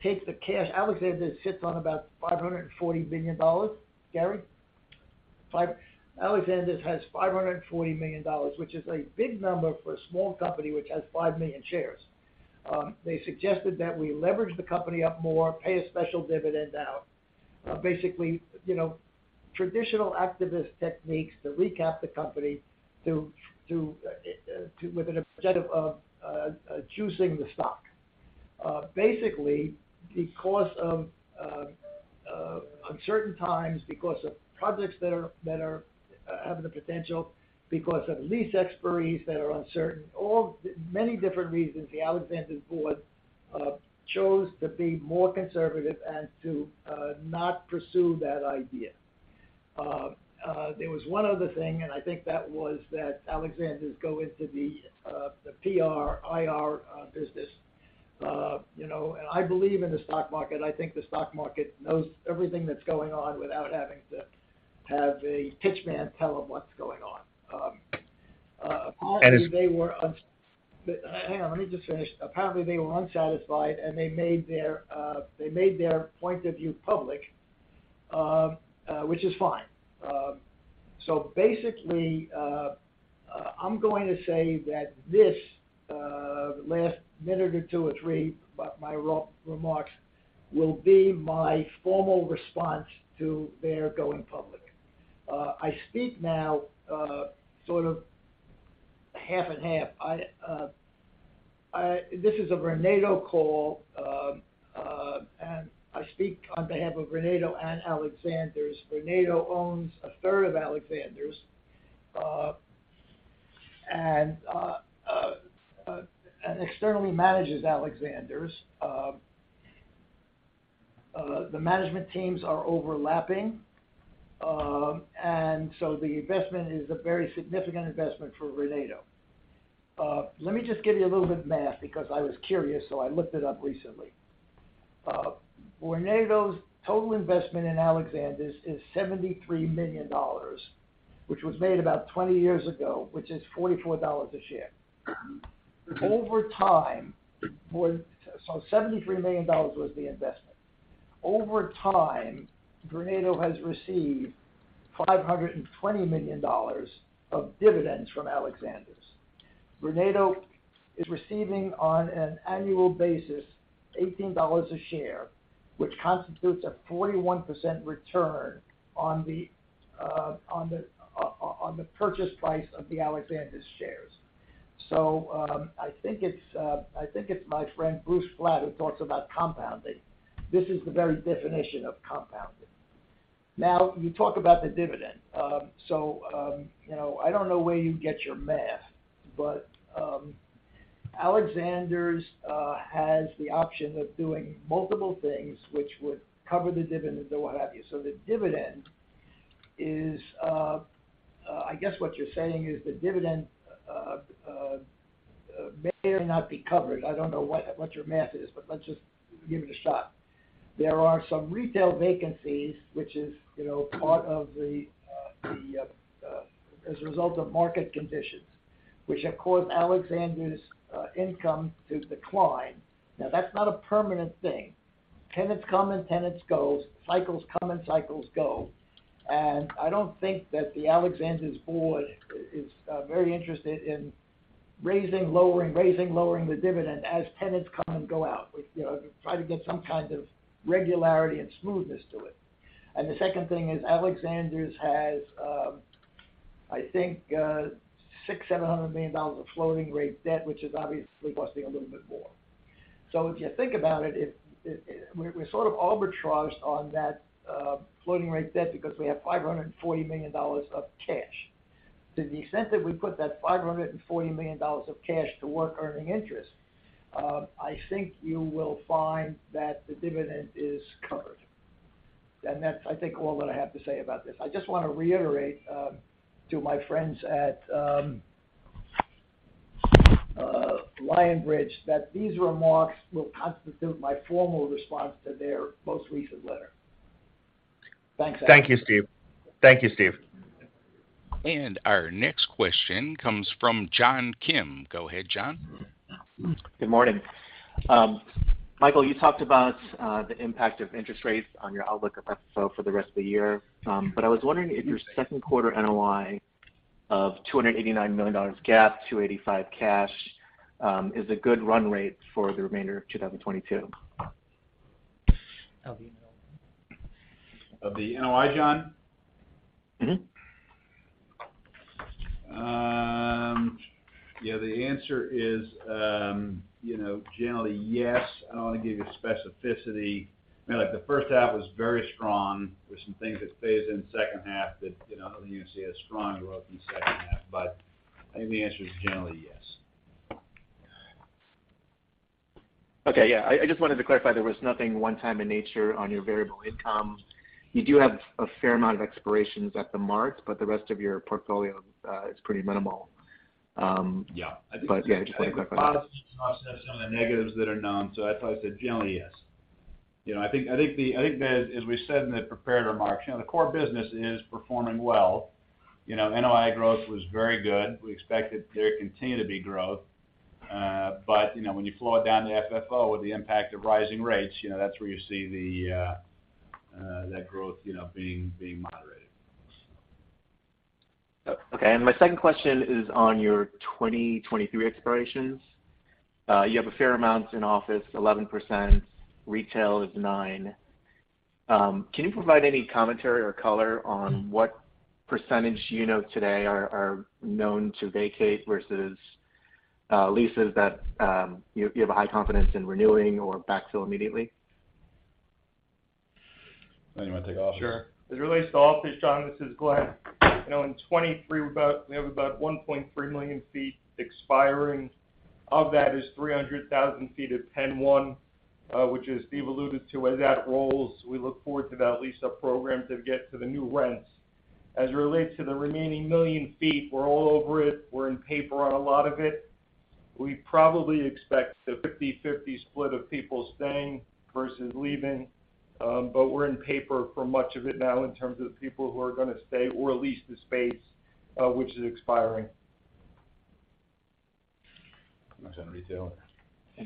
take the cash. Alexander's sits on about $540 million, Gary? Alexander's has $540 million, which is a big number for a small company which has 5 million shares. They suggested that we leverage the company up more, pay a special dividend out. Basically, you know, traditional activist techniques to recap the company with an objective of juicing the stock. Basically, because of uncertain times, because of projects that have the potential, because of lease expiries that are uncertain, all the many different reasons the Alexander's board chose to be more conservative and to not pursue that idea. There was one other thing, and I think that was that Alexander's go into the PR, IR business. You know, and I believe in the stock market. I think the stock market knows everything that's going on without having to have a pitch man tell them what's going on. Apparently they were.... Hang on, let me just finish. Apparently, they were unsatisfied, and they made their point of view public, which is fine. Basically, I'm going to say that this last minute or two or three, but my remarks will be my formal response to their going public. I speak now sort of half and half. This is a Vornado call, and I speak on behalf of Vornado and Alexander's. Vornado owns a third of Alexander's and externally manages Alexander's. The management teams are overlapping, so the investment is a very significant investment for Vornado. Let me just give you a little bit of math because I was curious, so I looked it up recently. Vornado's total investment in Alexander's is $73 million, which was made about 20 years ago, which is $44 a share. Over time, Vornado has received $520 million of dividends from Alexander's. Vornado is receiving on an annual basis $18 a share, which constitutes a 41% return on the purchase price of the Alexander's shares. I think it's my friend Bruce Flatt who talks about compounding. This is the very definition of compounding. You talk about the dividend. You know, I don't know where you get your math, but Alexander's has the option of doing multiple things which would cover the dividend and what have you. The dividend is, I guess what you're saying is the dividend may or may not be covered. I don't know what your math is, but let's just give it a shot. There are some retail vacancies, which is, you know, part of the as a result of market conditions, which have caused Alexander's income to decline. Now, that's not a permanent thing. Tenants come and tenants go. Cycles come and cycles go. I don't think that the Alexander's board is very interested in raising, lowering the dividend as tenants come and go out. We, you know, try to get some kind of regularity and smoothness to it. The second thing is Alexander's has, I think, $600 million-$700 million of floating rate debt, which is obviously costing a little bit more. If you think about it, we're sort of arbitraged on that floating rate debt because we have $540 million of cash. To the extent that we put that $540 million of cash to work earning interest, I think you will find that the dividend is covered. That's, I think all that I have to say about this. I just wanna reiterate to my friends at Land & Buildings that these remarks will constitute my formal response to their most recent letter. Thanks. Thank you, Steve. Our next question comes from John Kim. Go ahead, John. Good morning. Michael, you talked about the impact of interest rates on your outlook of FFO for the rest of the year. I was wondering if your second quarter NOI of $289 million GAAP, $285 cash, is a good run rate for the remainder of 2022. Of the, [inaudible] John? Yeah, the answer is, you know, generally yes. I don't want to give you specificity. You know, like, the first half was very strong. There's some things that phase in the second half that, you know, I don't think you're going to see as strong a growth in the second half. I think the answer is generally yes. Okay. Yeah. I just wanted to clarify there was nothing one-time in nature on your variable income. You do have a fair amount of expirations at the Mart, but the rest of your portfolio is pretty minimal. Yeah. Yeah, I just wanted to clarify. I think the positives offset some of the negatives that are known, so I'd probably say generally yes. You know, I think as we said in the prepared remarks, you know, the core business is performing well. You know, NOI growth was very good. We expect that there continue to be growth. But, you know, when you flow it down to FFO with the impact of rising rates, you know, that's where you see that growth, you know, being moderated. So. Okay. My second question is on your 2023 expirations. You have a fair amount in office, 11%, retail is 9%. Can you provide any commentary or color on what percentage you know today are known to vacate versus leases that you have a high confidence in renewing or backfill immediately? You want to take office? Sure. As it relates to office, John, this is Glen. You know, in 2023 we have about 1.3 million sq ft expiring. Of that is 300,000 sq ft of PENN 1, which as Steve alluded to, as that rolls, we look forward to that lease-up program to get to the new rents. As it relates to the remaining 1 million sq ft, we're all over it. We're in paper on a lot of it. We probably expect a 50/50 split of people staying versus leaving. But we're in paper for much of it now in terms of the people who are gonna stay or lease the space, which is expiring. I'm not sure on retail.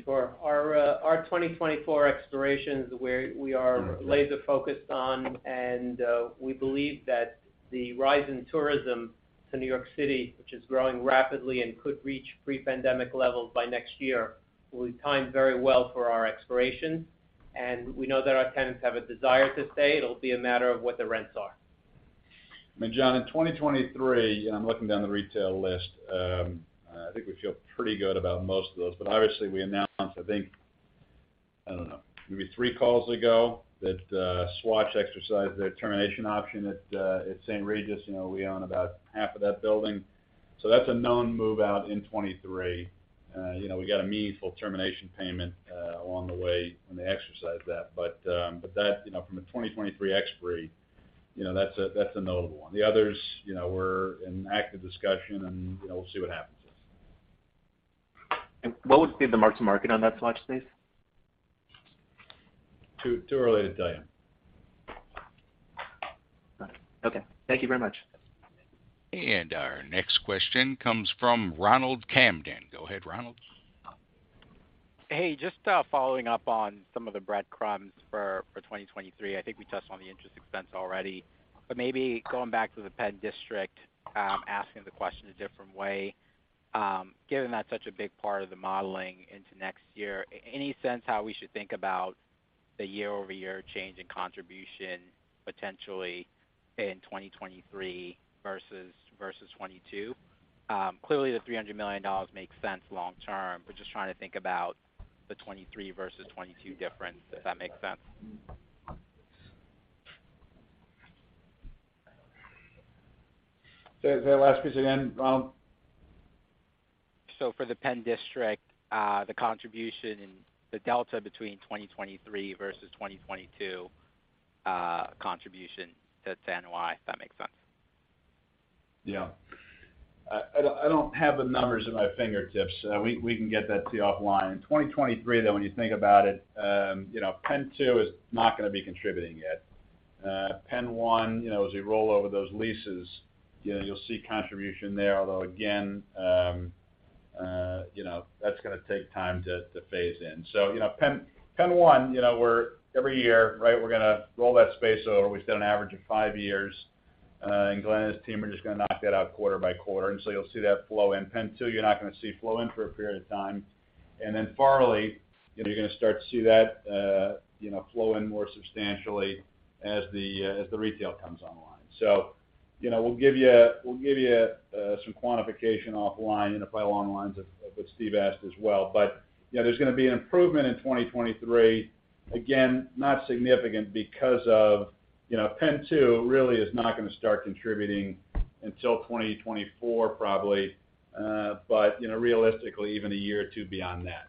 Sure. Our 2024 expirations where we are laser focused on, and we believe that the rise in tourism to New York City, which is growing rapidly and could reach pre-pandemic levels by next year, will be timed very well for our expirations. We know that our tenants have a desire to stay. It'll be a matter of what the rents are. I mean, John, in 2023, I think we feel pretty good about most of those. But obviously we announced, I think, I don't know, maybe three calls ago, that Swatch exercised their termination option at St. Regis. You know, we own about half of that building. So that's a known move-out in 2023. You know, we got a meaningful termination payment along the way when they exercise that. But that, you know, from a 2023 expiry, you know, that's a notable one. The others, you know, we're in active discussion and, you know, we'll see what happens. What would be the mark to market on that Swatch space? Too early to tell you. Got it. Okay. Thank you very much. Our next question comes from Ronald Kamdem. Go ahead, Ronald. Hey, just following up on some of the breadcrumbs for 2023. I think we touched on the interest expense already. Maybe going back to the Penn District, asking the question a different way. Given that's such a big part of the modeling into next year, any sense how we should think about the year-over-year change in contribution potentially in 2023 versus 2022? Clearly the $300 million makes sense long term. Just trying to think about the 2023 versus 2022 difference, if that makes sense. Say that last piece again, Ronald. For the Penn District, the contribution and the delta between 2023 versus 2022, contribution to NOI, if that makes sense. Yeah. I don't have the numbers at my fingertips. We can get that to you offline. In 2023 though, when you think about it, you know, PENN 2 is not gonna be contributing yet. PENN 1, you know, as we roll over those leases, you know, you'll see contribution there. Although again, you know, that's gonna take time to phase in. You know, PENN 1, you know, we're every year, right, we're gonna roll that space over. We've done an average of five years. Glen and his team are just gonna knock that out quarter by quarter. You'll see that flow in. PENN 2, you're not gonna see flow in for a period of time. Farley, you know, you're gonna start to see that, you know, flow in more substantially as the retail comes online. You know, we'll give you some quantification offline, and probably along the lines of what Steve asked as well. Yeah, there's gonna be an improvement in 2023. Again, not significant because of, you know, PENN 2 really is not gonna start contributing until 2024 probably. You know, realistically even a year or two beyond that.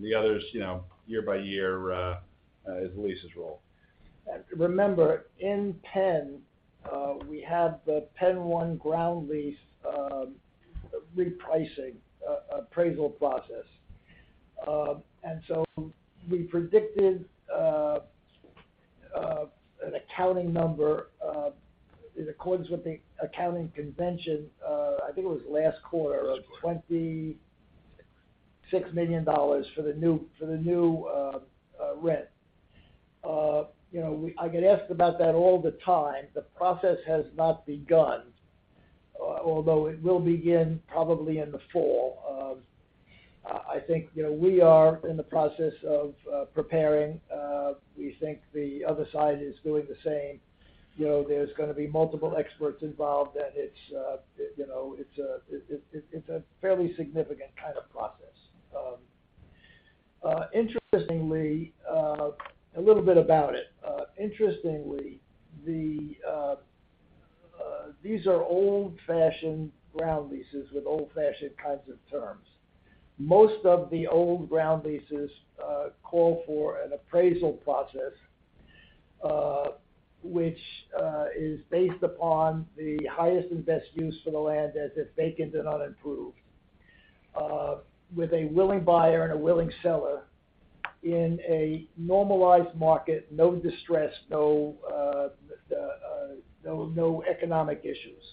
The others, you know, year by year, as leases roll. Remember, in Penn, we have the PENN 1 ground lease, repricing, appraisal process. We predicted Accounting number, in accordance with the accounting convention, I think it was last quarter of $26 million for the new rent. You know, I get asked about that all the time. The process has not begun, although it will begin probably in the fall. I think, you know, we are in the process of preparing. We think the other side is doing the same. You know, there's gonna be multiple experts involved, and it's, you know, it's a fairly significant kind of process. Interestingly, a little bit about it. Interestingly, these are old-fashioned ground leases with old-fashioned kinds of terms. Most of the old ground leases call for an appraisal process, which is based upon the highest and best use for the land as if vacant and unimproved, with a willing buyer and a willing seller in a normalized market, no distress, no economic issues.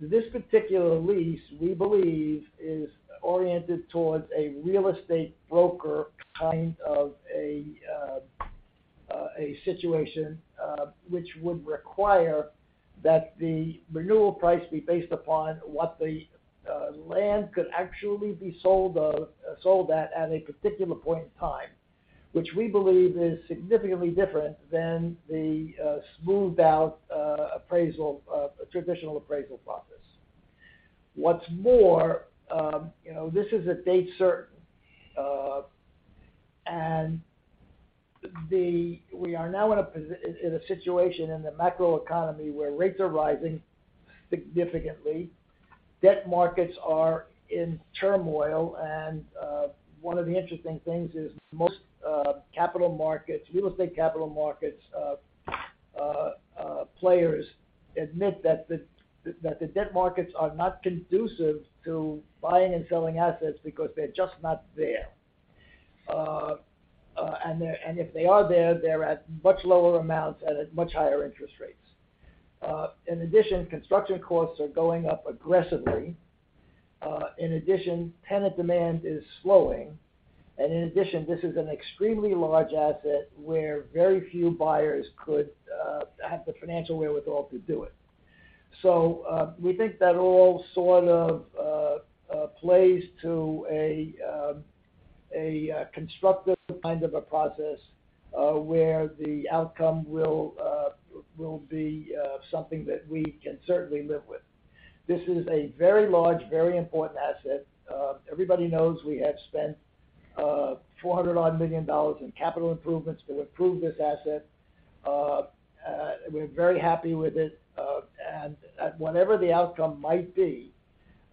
This particular lease, we believe, is oriented towards a real estate broker kind of a situation, which would require that the renewal price be based upon what the land could actually be sold at a particular point in time, which we believe is significantly different than the smoothed out, traditional appraisal process. What's more, you know, this is a date certain. We are now in a situation in the macroeconomy where rates are rising significantly, debt markets are in turmoil, and one of the interesting things is most capital markets, real estate capital markets players admit that the debt markets are not conducive to buying and selling assets because they're just not there. If they are there, they're at much lower amounts and at much higher interest rates. In addition, construction costs are going up aggressively. In addition, tenant demand is slowing. In addition, this is an extremely large asset where very few buyers could have the financial wherewithal to do it. We think that all sort of plays to a constructive kind of a process, where the outcome will be something that we can certainly live with. This is a very large, very important asset. Everybody knows we have spent $400-odd million in capital improvements to improve this asset. We're very happy with it. Whatever the outcome might be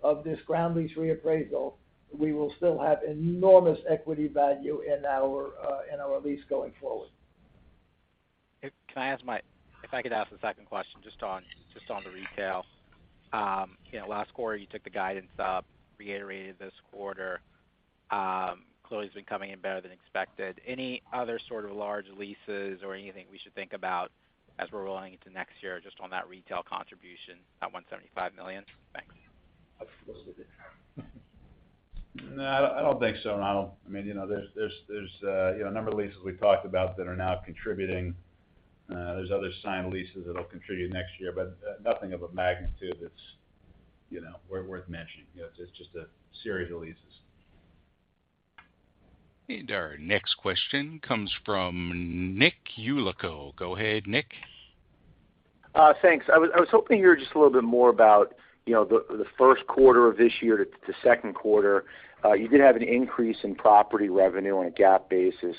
of this ground lease reappraisal, we will still have enormous equity value in our lease going forward. If I could ask a second question just on the retail. You know, last quarter, you took the guidance up, reiterated this quarter. Clearly it's been coming in better than expected. Any other sort of large leases or anything we should think about as we're rolling into next year just on that retail contribution, that $175 million? Thanks. No, I don't think so, Ronald. I mean, you know, there's a number of leases we've talked about that are now contributing. There's other signed leases that'll contribute next year, but nothing of a magnitude that's worth mentioning. You know, it's just a series of leases. Our next question comes from Nick Yulico. Go ahead, Nick. Thanks. I was hoping to hear just a little bit more about, you know, the first quarter of this year to second quarter. You did have an increase in property revenue on a GAAP basis.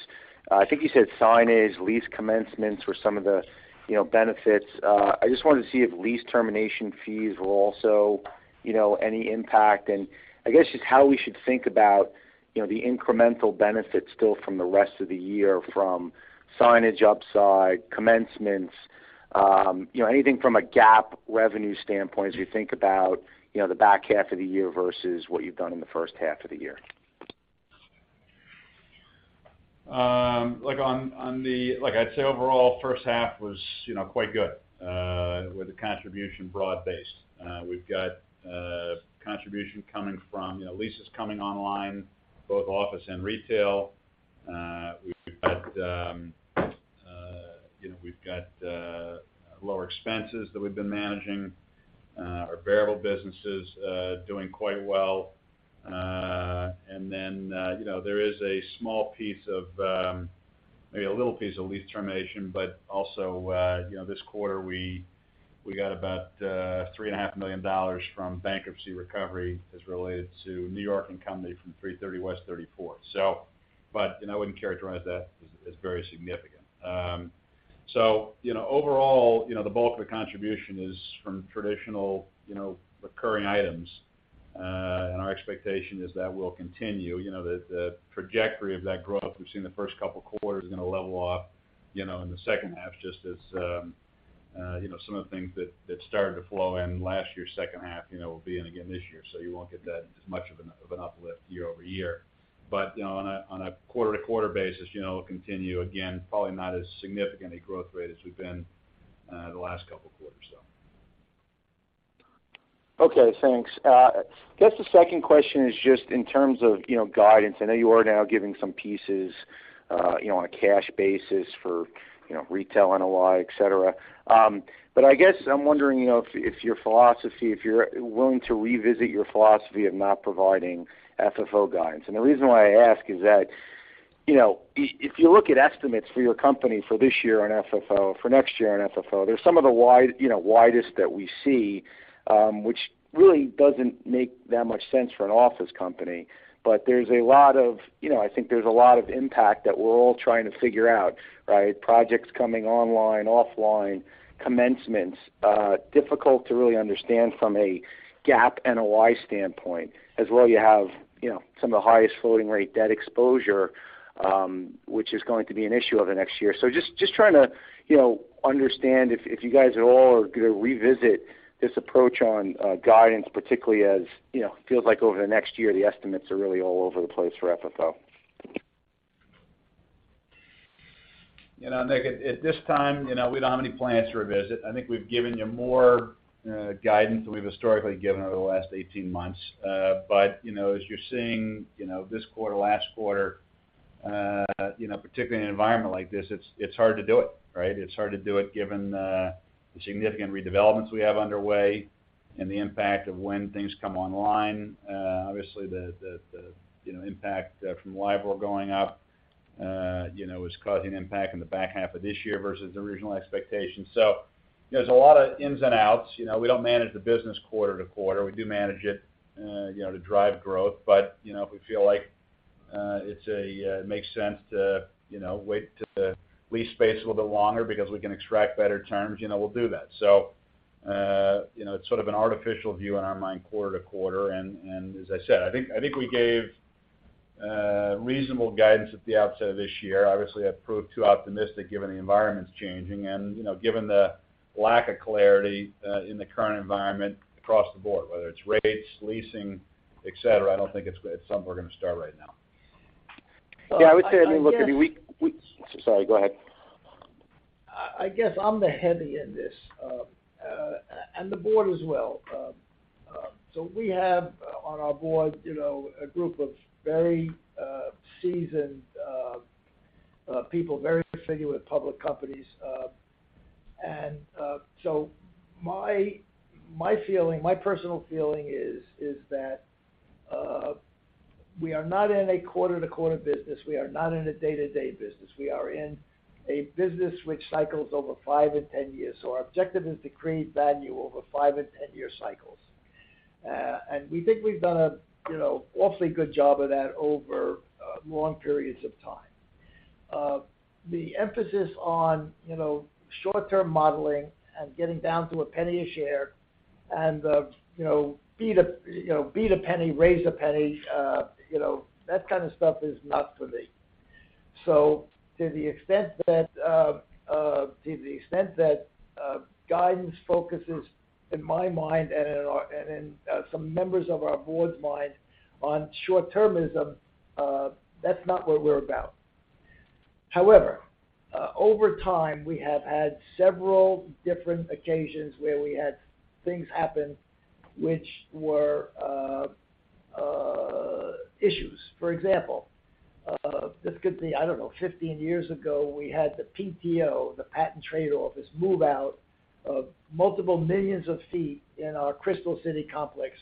I think you said signage, lease commencements were some of the, you know, benefits. I just wanted to see if lease termination fees were also, you know, any impact. I guess just how we should think about, you know, the incremental benefits still from the rest of the year from signage upside, commencements, you know, anything from a GAAP revenue standpoint as we think about, you know, the back half of the year versus what you've done in the first half of the year. Look, like I'd say overall, first half was, you know, quite good, with the contribution broad-based. We've got contribution coming from, you know, leases coming online, both office and retail. We've got lower expenses that we've been managing. Our variable business is doing quite well. And then, you know, there is a small piece of, maybe a little piece of lease termination, but also, you know, this quarter, we got about $3.5 million from bankruptcy recovery as related to New York & Company from 330 West 34. But, you know, I wouldn't characterize that as very significant. You know, overall, you know, the bulk of the contribution is from traditional, you know, recurring items. Our expectation is that will continue. The trajectory of that growth we've seen in the first couple quarters is gonna level off in the second half just as some of the things that started to flow in last year, second half, will be in again this year. You won't get that as much of an uplift year-over-year. On a quarter-to-quarter basis, it'll continue, again, probably not as significant a growth rate as we've been the last couple of quarters. Okay, thanks. I guess the second question is just in terms of, you know, guidance. I know you are now giving some pieces, you know, on a cash basis for, you know, retail NOI, et cetera. But I guess I'm wondering, you know, if your philosophy, if you're willing to revisit your philosophy of not providing FFO guidance. The reason why I ask is that, you know, if you look at estimates for your company for this year on FFO, for next year on FFO, there's some of the wide, you know, widest that we see, which really doesn't make that much sense for an office company. There's a lot of, you know, I think there's a lot of impact that we're all trying to figure out, right? Projects coming online, offline, commencements, difficult to really understand from a GAAP NOI standpoint. As well, you have, you know, some of the highest floating rate debt exposure, which is going to be an issue over the next year. Just trying to, you know, understand if you guys at all are gonna revisit this approach on guidance, particularly as, you know, it feels like over the next year, the estimates are really all over the place for FFO. You know, Nick, at this time, you know, we don't have any plans to revisit. I think we've given you more guidance than we've historically given over the last 18 months. You know, as you're seeing, you know, this quarter, last quarter, you know, particularly in an environment like this, it's hard to do it, right? It's hard to do it given the significant redevelopments we have underway and the impact of when things come online. Obviously, the impact from LIBOR going up, you know, is causing impact in the back half of this year versus original expectations. There's a lot of ins and outs. You know, we don't manage the business quarter-to-quarter. We do manage it, you know, to drive growth. You know, if we feel like it makes sense to you know wait to lease space a little bit longer because we can extract better terms, you know, we'll do that. You know, it's sort of an artificial view in our mind quarter-to-quarter. And as I said, I think we gave reasonable guidance at the outset of this year. Obviously, I proved too optimistic given the environment's changing and you know given the lack of clarity in the current environment across the board, whether it's rates, leasing, et cetera. I don't think it's something we're gonna start right now. Yeah, I would say, I mean, look, I mean, we. Well, I guess. Sorry, go ahead. I guess I'm the heavy in this, and the board as well. We have on our board, you know, a group of very seasoned people, very familiar with public companies. My personal feeling is that we are not in a quarter-to-quarter business. We are not in a day-to-day business. We are in a business which cycles over five and 10 years. Our objective is to create value over five and 10 year cycles. We think we've done an, you know, awfully good job of that over long periods of time. The emphasis on, you know, short-term modeling and getting down to a penny a share and, you know, be the penny, raise a penny, you know, that kind of stuff is not for me. To the extent that guidance focuses in my mind and in some members of our board's mind on short-termism, that's not what we're about. However, over time, we have had several different occasions where we had things happen which were issues. For example, this could be, I don't know, 15 years ago, we had the USPTO, the United States Patent and Trademark Office, move out, multiple millions of feet in our Crystal City complex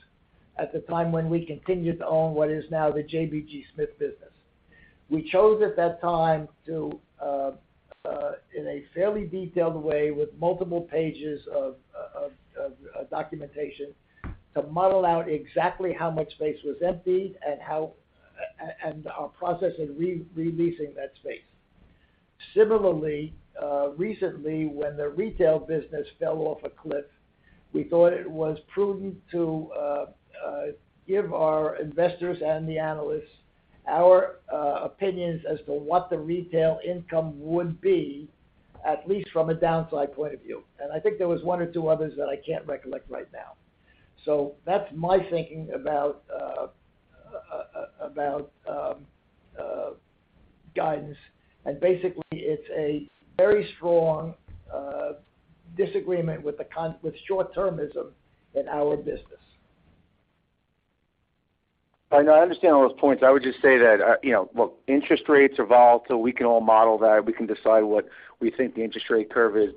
at the time when we continued to own what is now the JBG SMITH business. We chose at that time to in a fairly detailed way with multiple pages of documentation to model out exactly how much space was emptied and our process in releasing that space. Similarly, recently, when the retail business fell off a cliff, we thought it was prudent to give our investors and the analysts our opinions as to what the retail income would be, at least from a downside point of view. I think there was one or two others that I can't recollect right now. That's my thinking about guidance. Basically, it's a very strong disagreement with short-termism in our business. I know, I understand all those points. I would just say that, you know, look, interest rates are volatile. We can all model that. We can decide what we think the interest rate curve is.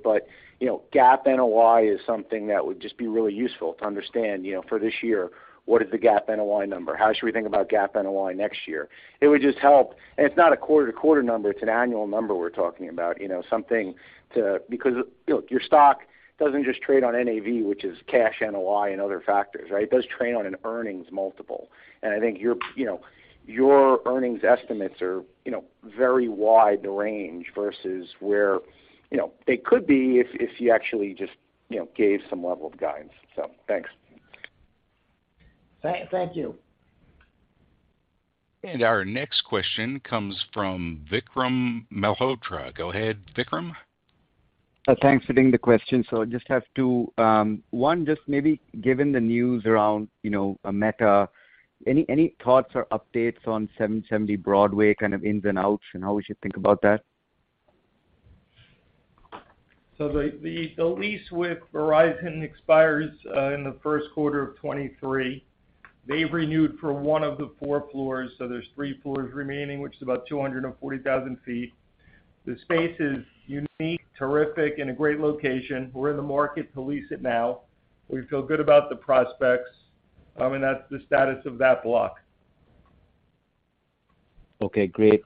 You know, GAAP NOI is something that would just be really useful to understand, you know, for this year, what is the GAAP NOI number? How should we think about GAAP NOI next year? It would just help. It's not a quarter-to-quarter number, it's an annual number we're talking about, you know, something to. Because look, your stock doesn't just trade on NAV, which is cash NOI and other factors, right? It does trade on an earnings multiple. I think your, you know, your earnings estimates are, you know, very wide range versus where, you know, they could be if you actually just, you know, gave some level of guidance. Thanks. Thank you. Our next question comes from Vikram Malhotra. Go ahead, Vikram. Thanks for taking the question. I just have two. One, just maybe given the news around, you know, Meta, any thoughts or updates on 770 Broadway, kind of ins and outs, and how we should think about that? The lease with Verizon expires in the first quarter of 2023. They've renewed for one of the four floors, so there's three floors remaining, which is about 240,000 sq ft. The space is unique, terrific, in a great location. We're in the market to lease it now. We feel good about the prospects. That's the status of that block. Okay, great.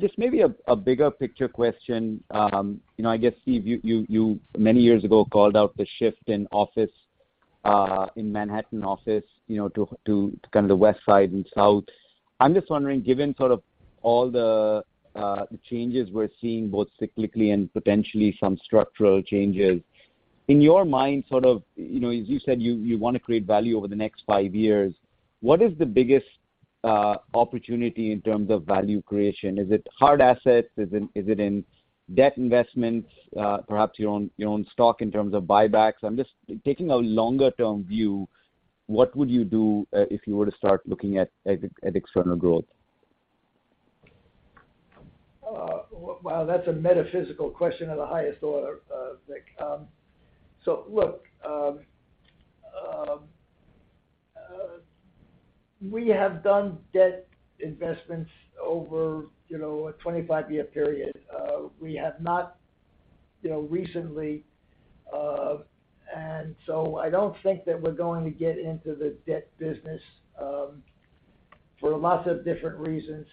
Just maybe a bigger picture question. You know, I guess, Steve, you many years ago called out the shift in office in Manhattan office, you know, to kind of the West Side and South. I'm just wondering, given sort of all the changes we're seeing, both cyclically and potentially some structural changes, in your mind, sort of, you know, as you said, you wanna create value over the next five years. What is the biggest opportunity in terms of value creation? Is it hard assets? Is it in debt investments? Perhaps your own stock in terms of buybacks. I'm just taking a longer-term view, what would you do if you were to start looking at external growth? Well, that's a metaphysical question of the highest order, Vik. Look, we have done debt investments over, you know, a 25-year period. We have not, you know, recently, and I don't think that we're going to get into the debt business for lots of different reasons.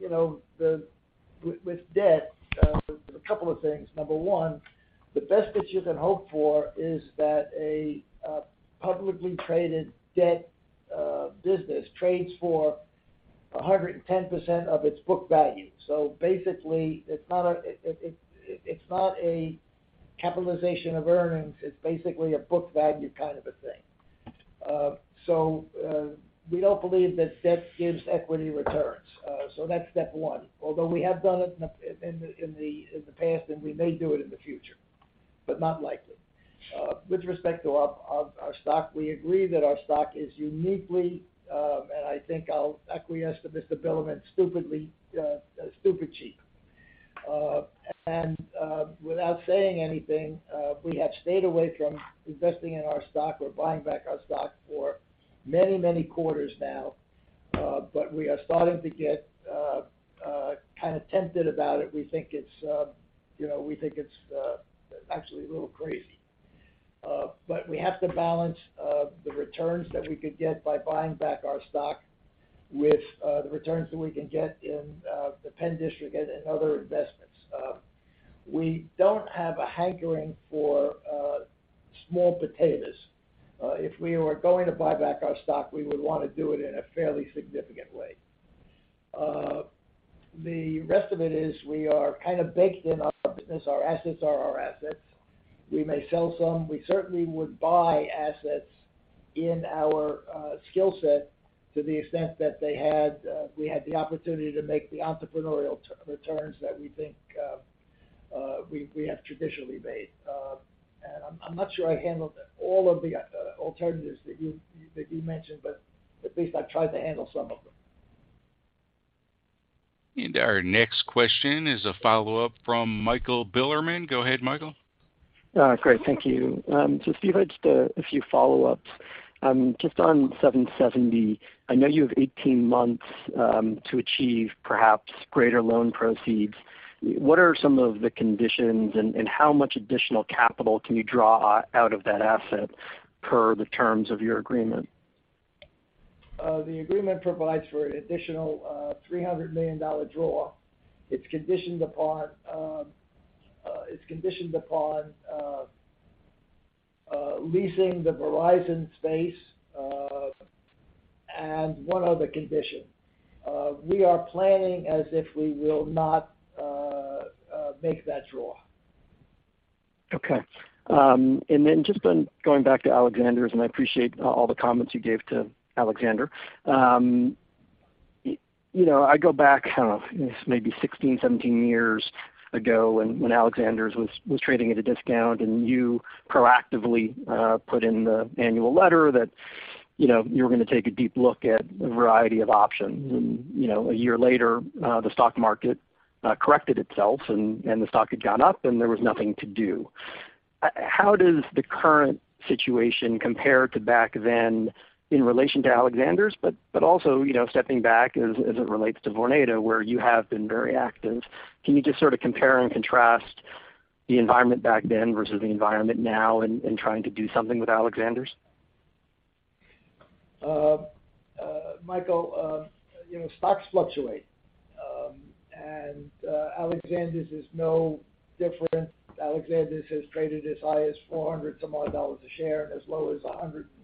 You know, with debt, a couple of things. Number one, the best that you can hope for is that a publicly traded debt business trades for 110% of its book value. Basically, it's not a capitalization of earnings. It's basically a book value kind of a thing. We don't believe that debt gives equity returns. That's step one. Although we have done it in the past, and we may do it in the future, but not likely. With respect to our stock, we agree that our stock is uniquely, and I think I'll acquiesce to Mr. Bilerman, stupidly super cheap. Without saying anything, we have stayed away from investing in our stock or buying back our stock for many quarters now, but we are starting to get kind of tempted about it. We think it's actually a little crazy. We have to balance the returns that we could get by buying back our stock with the returns that we can get in the Penn District and other investments. We don't have a hankering for small potatoes. If we were going to buy back our stock, we would wanna do it in a fairly significant way. The rest of it is we are kind of baked in our business. Our assets are our assets. We may sell some. We certainly would buy assets in our skill set to the extent that we had the opportunity to make the entrepreneurial returns that we think we have traditionally made. I'm not sure I handled all of the alternatives that you mentioned, but at least I've tried to handle some of them. Our next question is a follow-up from Michael Bilerman. Go ahead, Michael. Great. Thank you. Steve, I have a few follow-ups. Just on 770, I know you have 18 months to achieve perhaps greater loan proceeds. What are some of the conditions, and how much additional capital can you draw out of that asset per the terms of your agreement? The agreement provides for an additional $300 million draw. It's conditioned upon leasing the Verizon space and one other condition. We are planning as if we will not make that draw. Okay. Just on going back to Alexander's, I appreciate all the comments you gave to Alexander. You know, I go back, I don't know, maybe 16, 17 years ago when Alexander's was trading at a discount, and you proactively put in the annual letter that, you know, you were gonna take a deep look at a variety of options. You know, a year later, the stock market corrected itself and the stock had gone up, and there was nothing to do. How does the current situation compare to back then in relation to Alexander's, but also, you know, stepping back as it relates to Vornado, where you have been very active? Can you just sort of compare and contrast the environment back then versus the environment now in trying to do something with Alexander's? Michael, you know, stocks fluctuate. Alexander's is no different. Alexander's has traded as high as 400-some-odd dollars a share, as low as a hundred and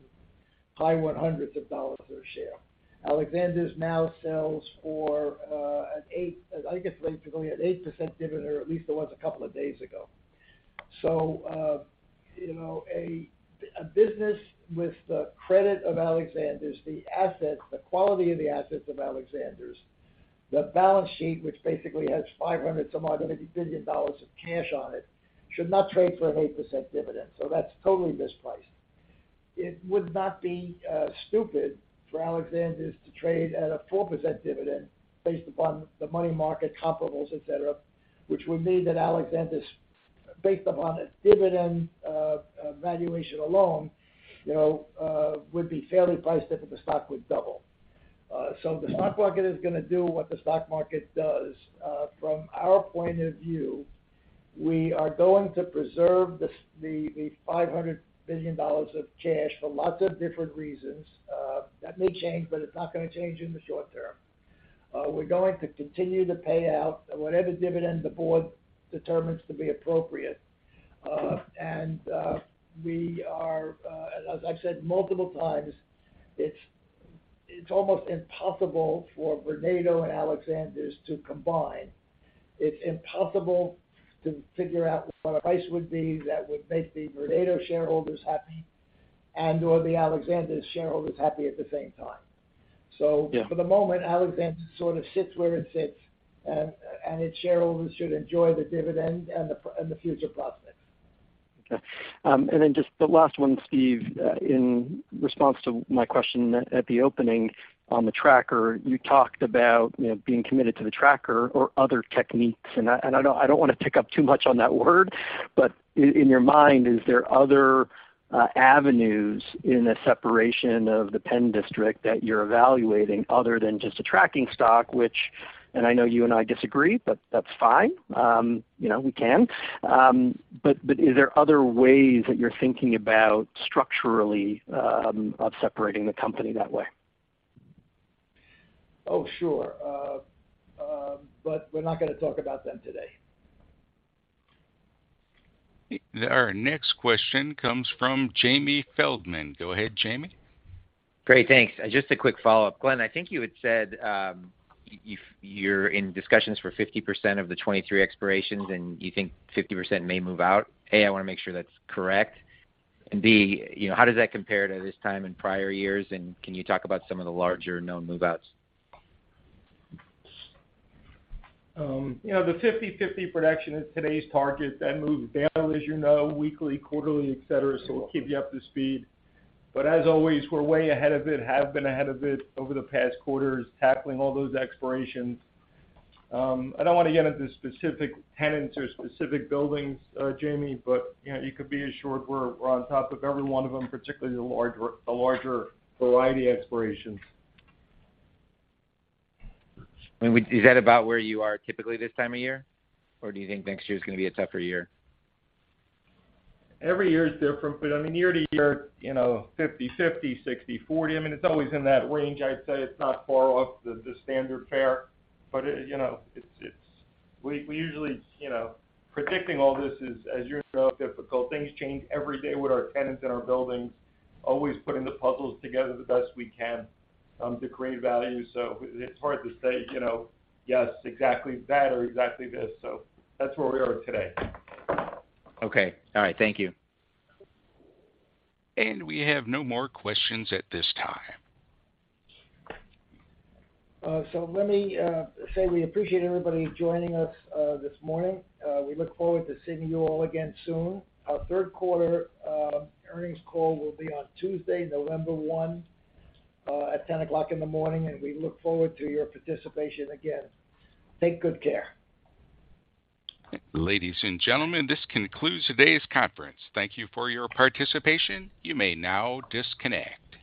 high one hundreds of dollars per share. Alexander's now sells for an 8%, I guess basically an 8% dividend, or at least it was a couple of days ago. You know, a business with the credit of Alexander's, the assets, the quality of the assets of Alexander's, the balance sheet, which basically has 500-some-odd billion dollars of cash on it, should not trade for an 8% dividend. That's totally misplaced. It would not be stupid for Alexander's to trade at a 4% dividend based upon the money market comparables, et cetera, which would mean that Alexander's, based upon a dividend, valuation alone, you know, would be fairly priced if the stock would double. The stock market is gonna do what the stock market does. From our point of view, we are going to preserve the $500 billion of cash for lots of different reasons. That may change, but it's not gonna change in the short term. We're going to continue to pay out whatever dividend the board determines to be appropriate. As I said multiple times, it's almost impossible for Vornado and Alexander's to combine. It's impossible to figure out what a price would be that would make the Vornado shareholders happy and/or the Alexander's shareholders happy at the same time. Yeah. For the moment, Alexander's sort of sits where it sits, and its shareholders should enjoy the dividend and the future prospects. Okay. Then just the last one, Steve. In response to my question at the opening on the tracker, you talked about, you know, being committed to the tracker or other techniques. I don't wanna pick up too much on that word, but in your mind, is there other avenues in the separation of the Penn District that you're evaluating other than just a tracking stock, which I know you and I disagree, but that's fine. You know, we can. But is there other ways that you're thinking about structurally of separating the company that way? Oh, sure. We're not gonna talk about them today. Our next question comes from James Feldman. Go ahead, Jamie. Great. Thanks. Just a quick follow-up. Glen, I think you had said, you're in discussions for 50% of the 23 expirations, and you think 50% may move out. A, I wanna make sure that's correct. And B, you know, how does that compare to this time in prior years? And can you talk about some of the larger known move-outs? You know, the 50/50 production is today's target. That moves down, as you know, weekly, quarterly, et cetera. We'll keep you up to speed. As always, we're way ahead of it, have been ahead of it over the past quarters, tackling all those expirations. I don't wanna get into specific tenants or specific buildings, Jamie, but you know, you could be assured we're on top of every one of them, particularly the larger variety expirations. Is that about where you are typically this time of year, or do you think next year is gonna be a tougher year? Every year is different, but I mean, year to year, you know, 50/50, 60/40. I mean, it's always in that range, I'd say. It's not far off the standard fare. We usually, you know, predicting all this is, as you know, difficult. Things change every day with our tenants and our buildings, always putting the puzzles together the best we can to create value. It's hard to say, you know, yes, exactly that or exactly this. That's where we are today. Okay. All right. Thank you. We have no more questions at this time. Let me say we appreciate everybody joining us this morning. We look forward to seeing you all again soon. Our third quarter earnings call will be on Tuesday, November 1 at 10:00 A.M., and we look forward to your participation again. Take good care. Ladies and gentlemen, this concludes today's conference. Thank you for your participation. You may now disconnect.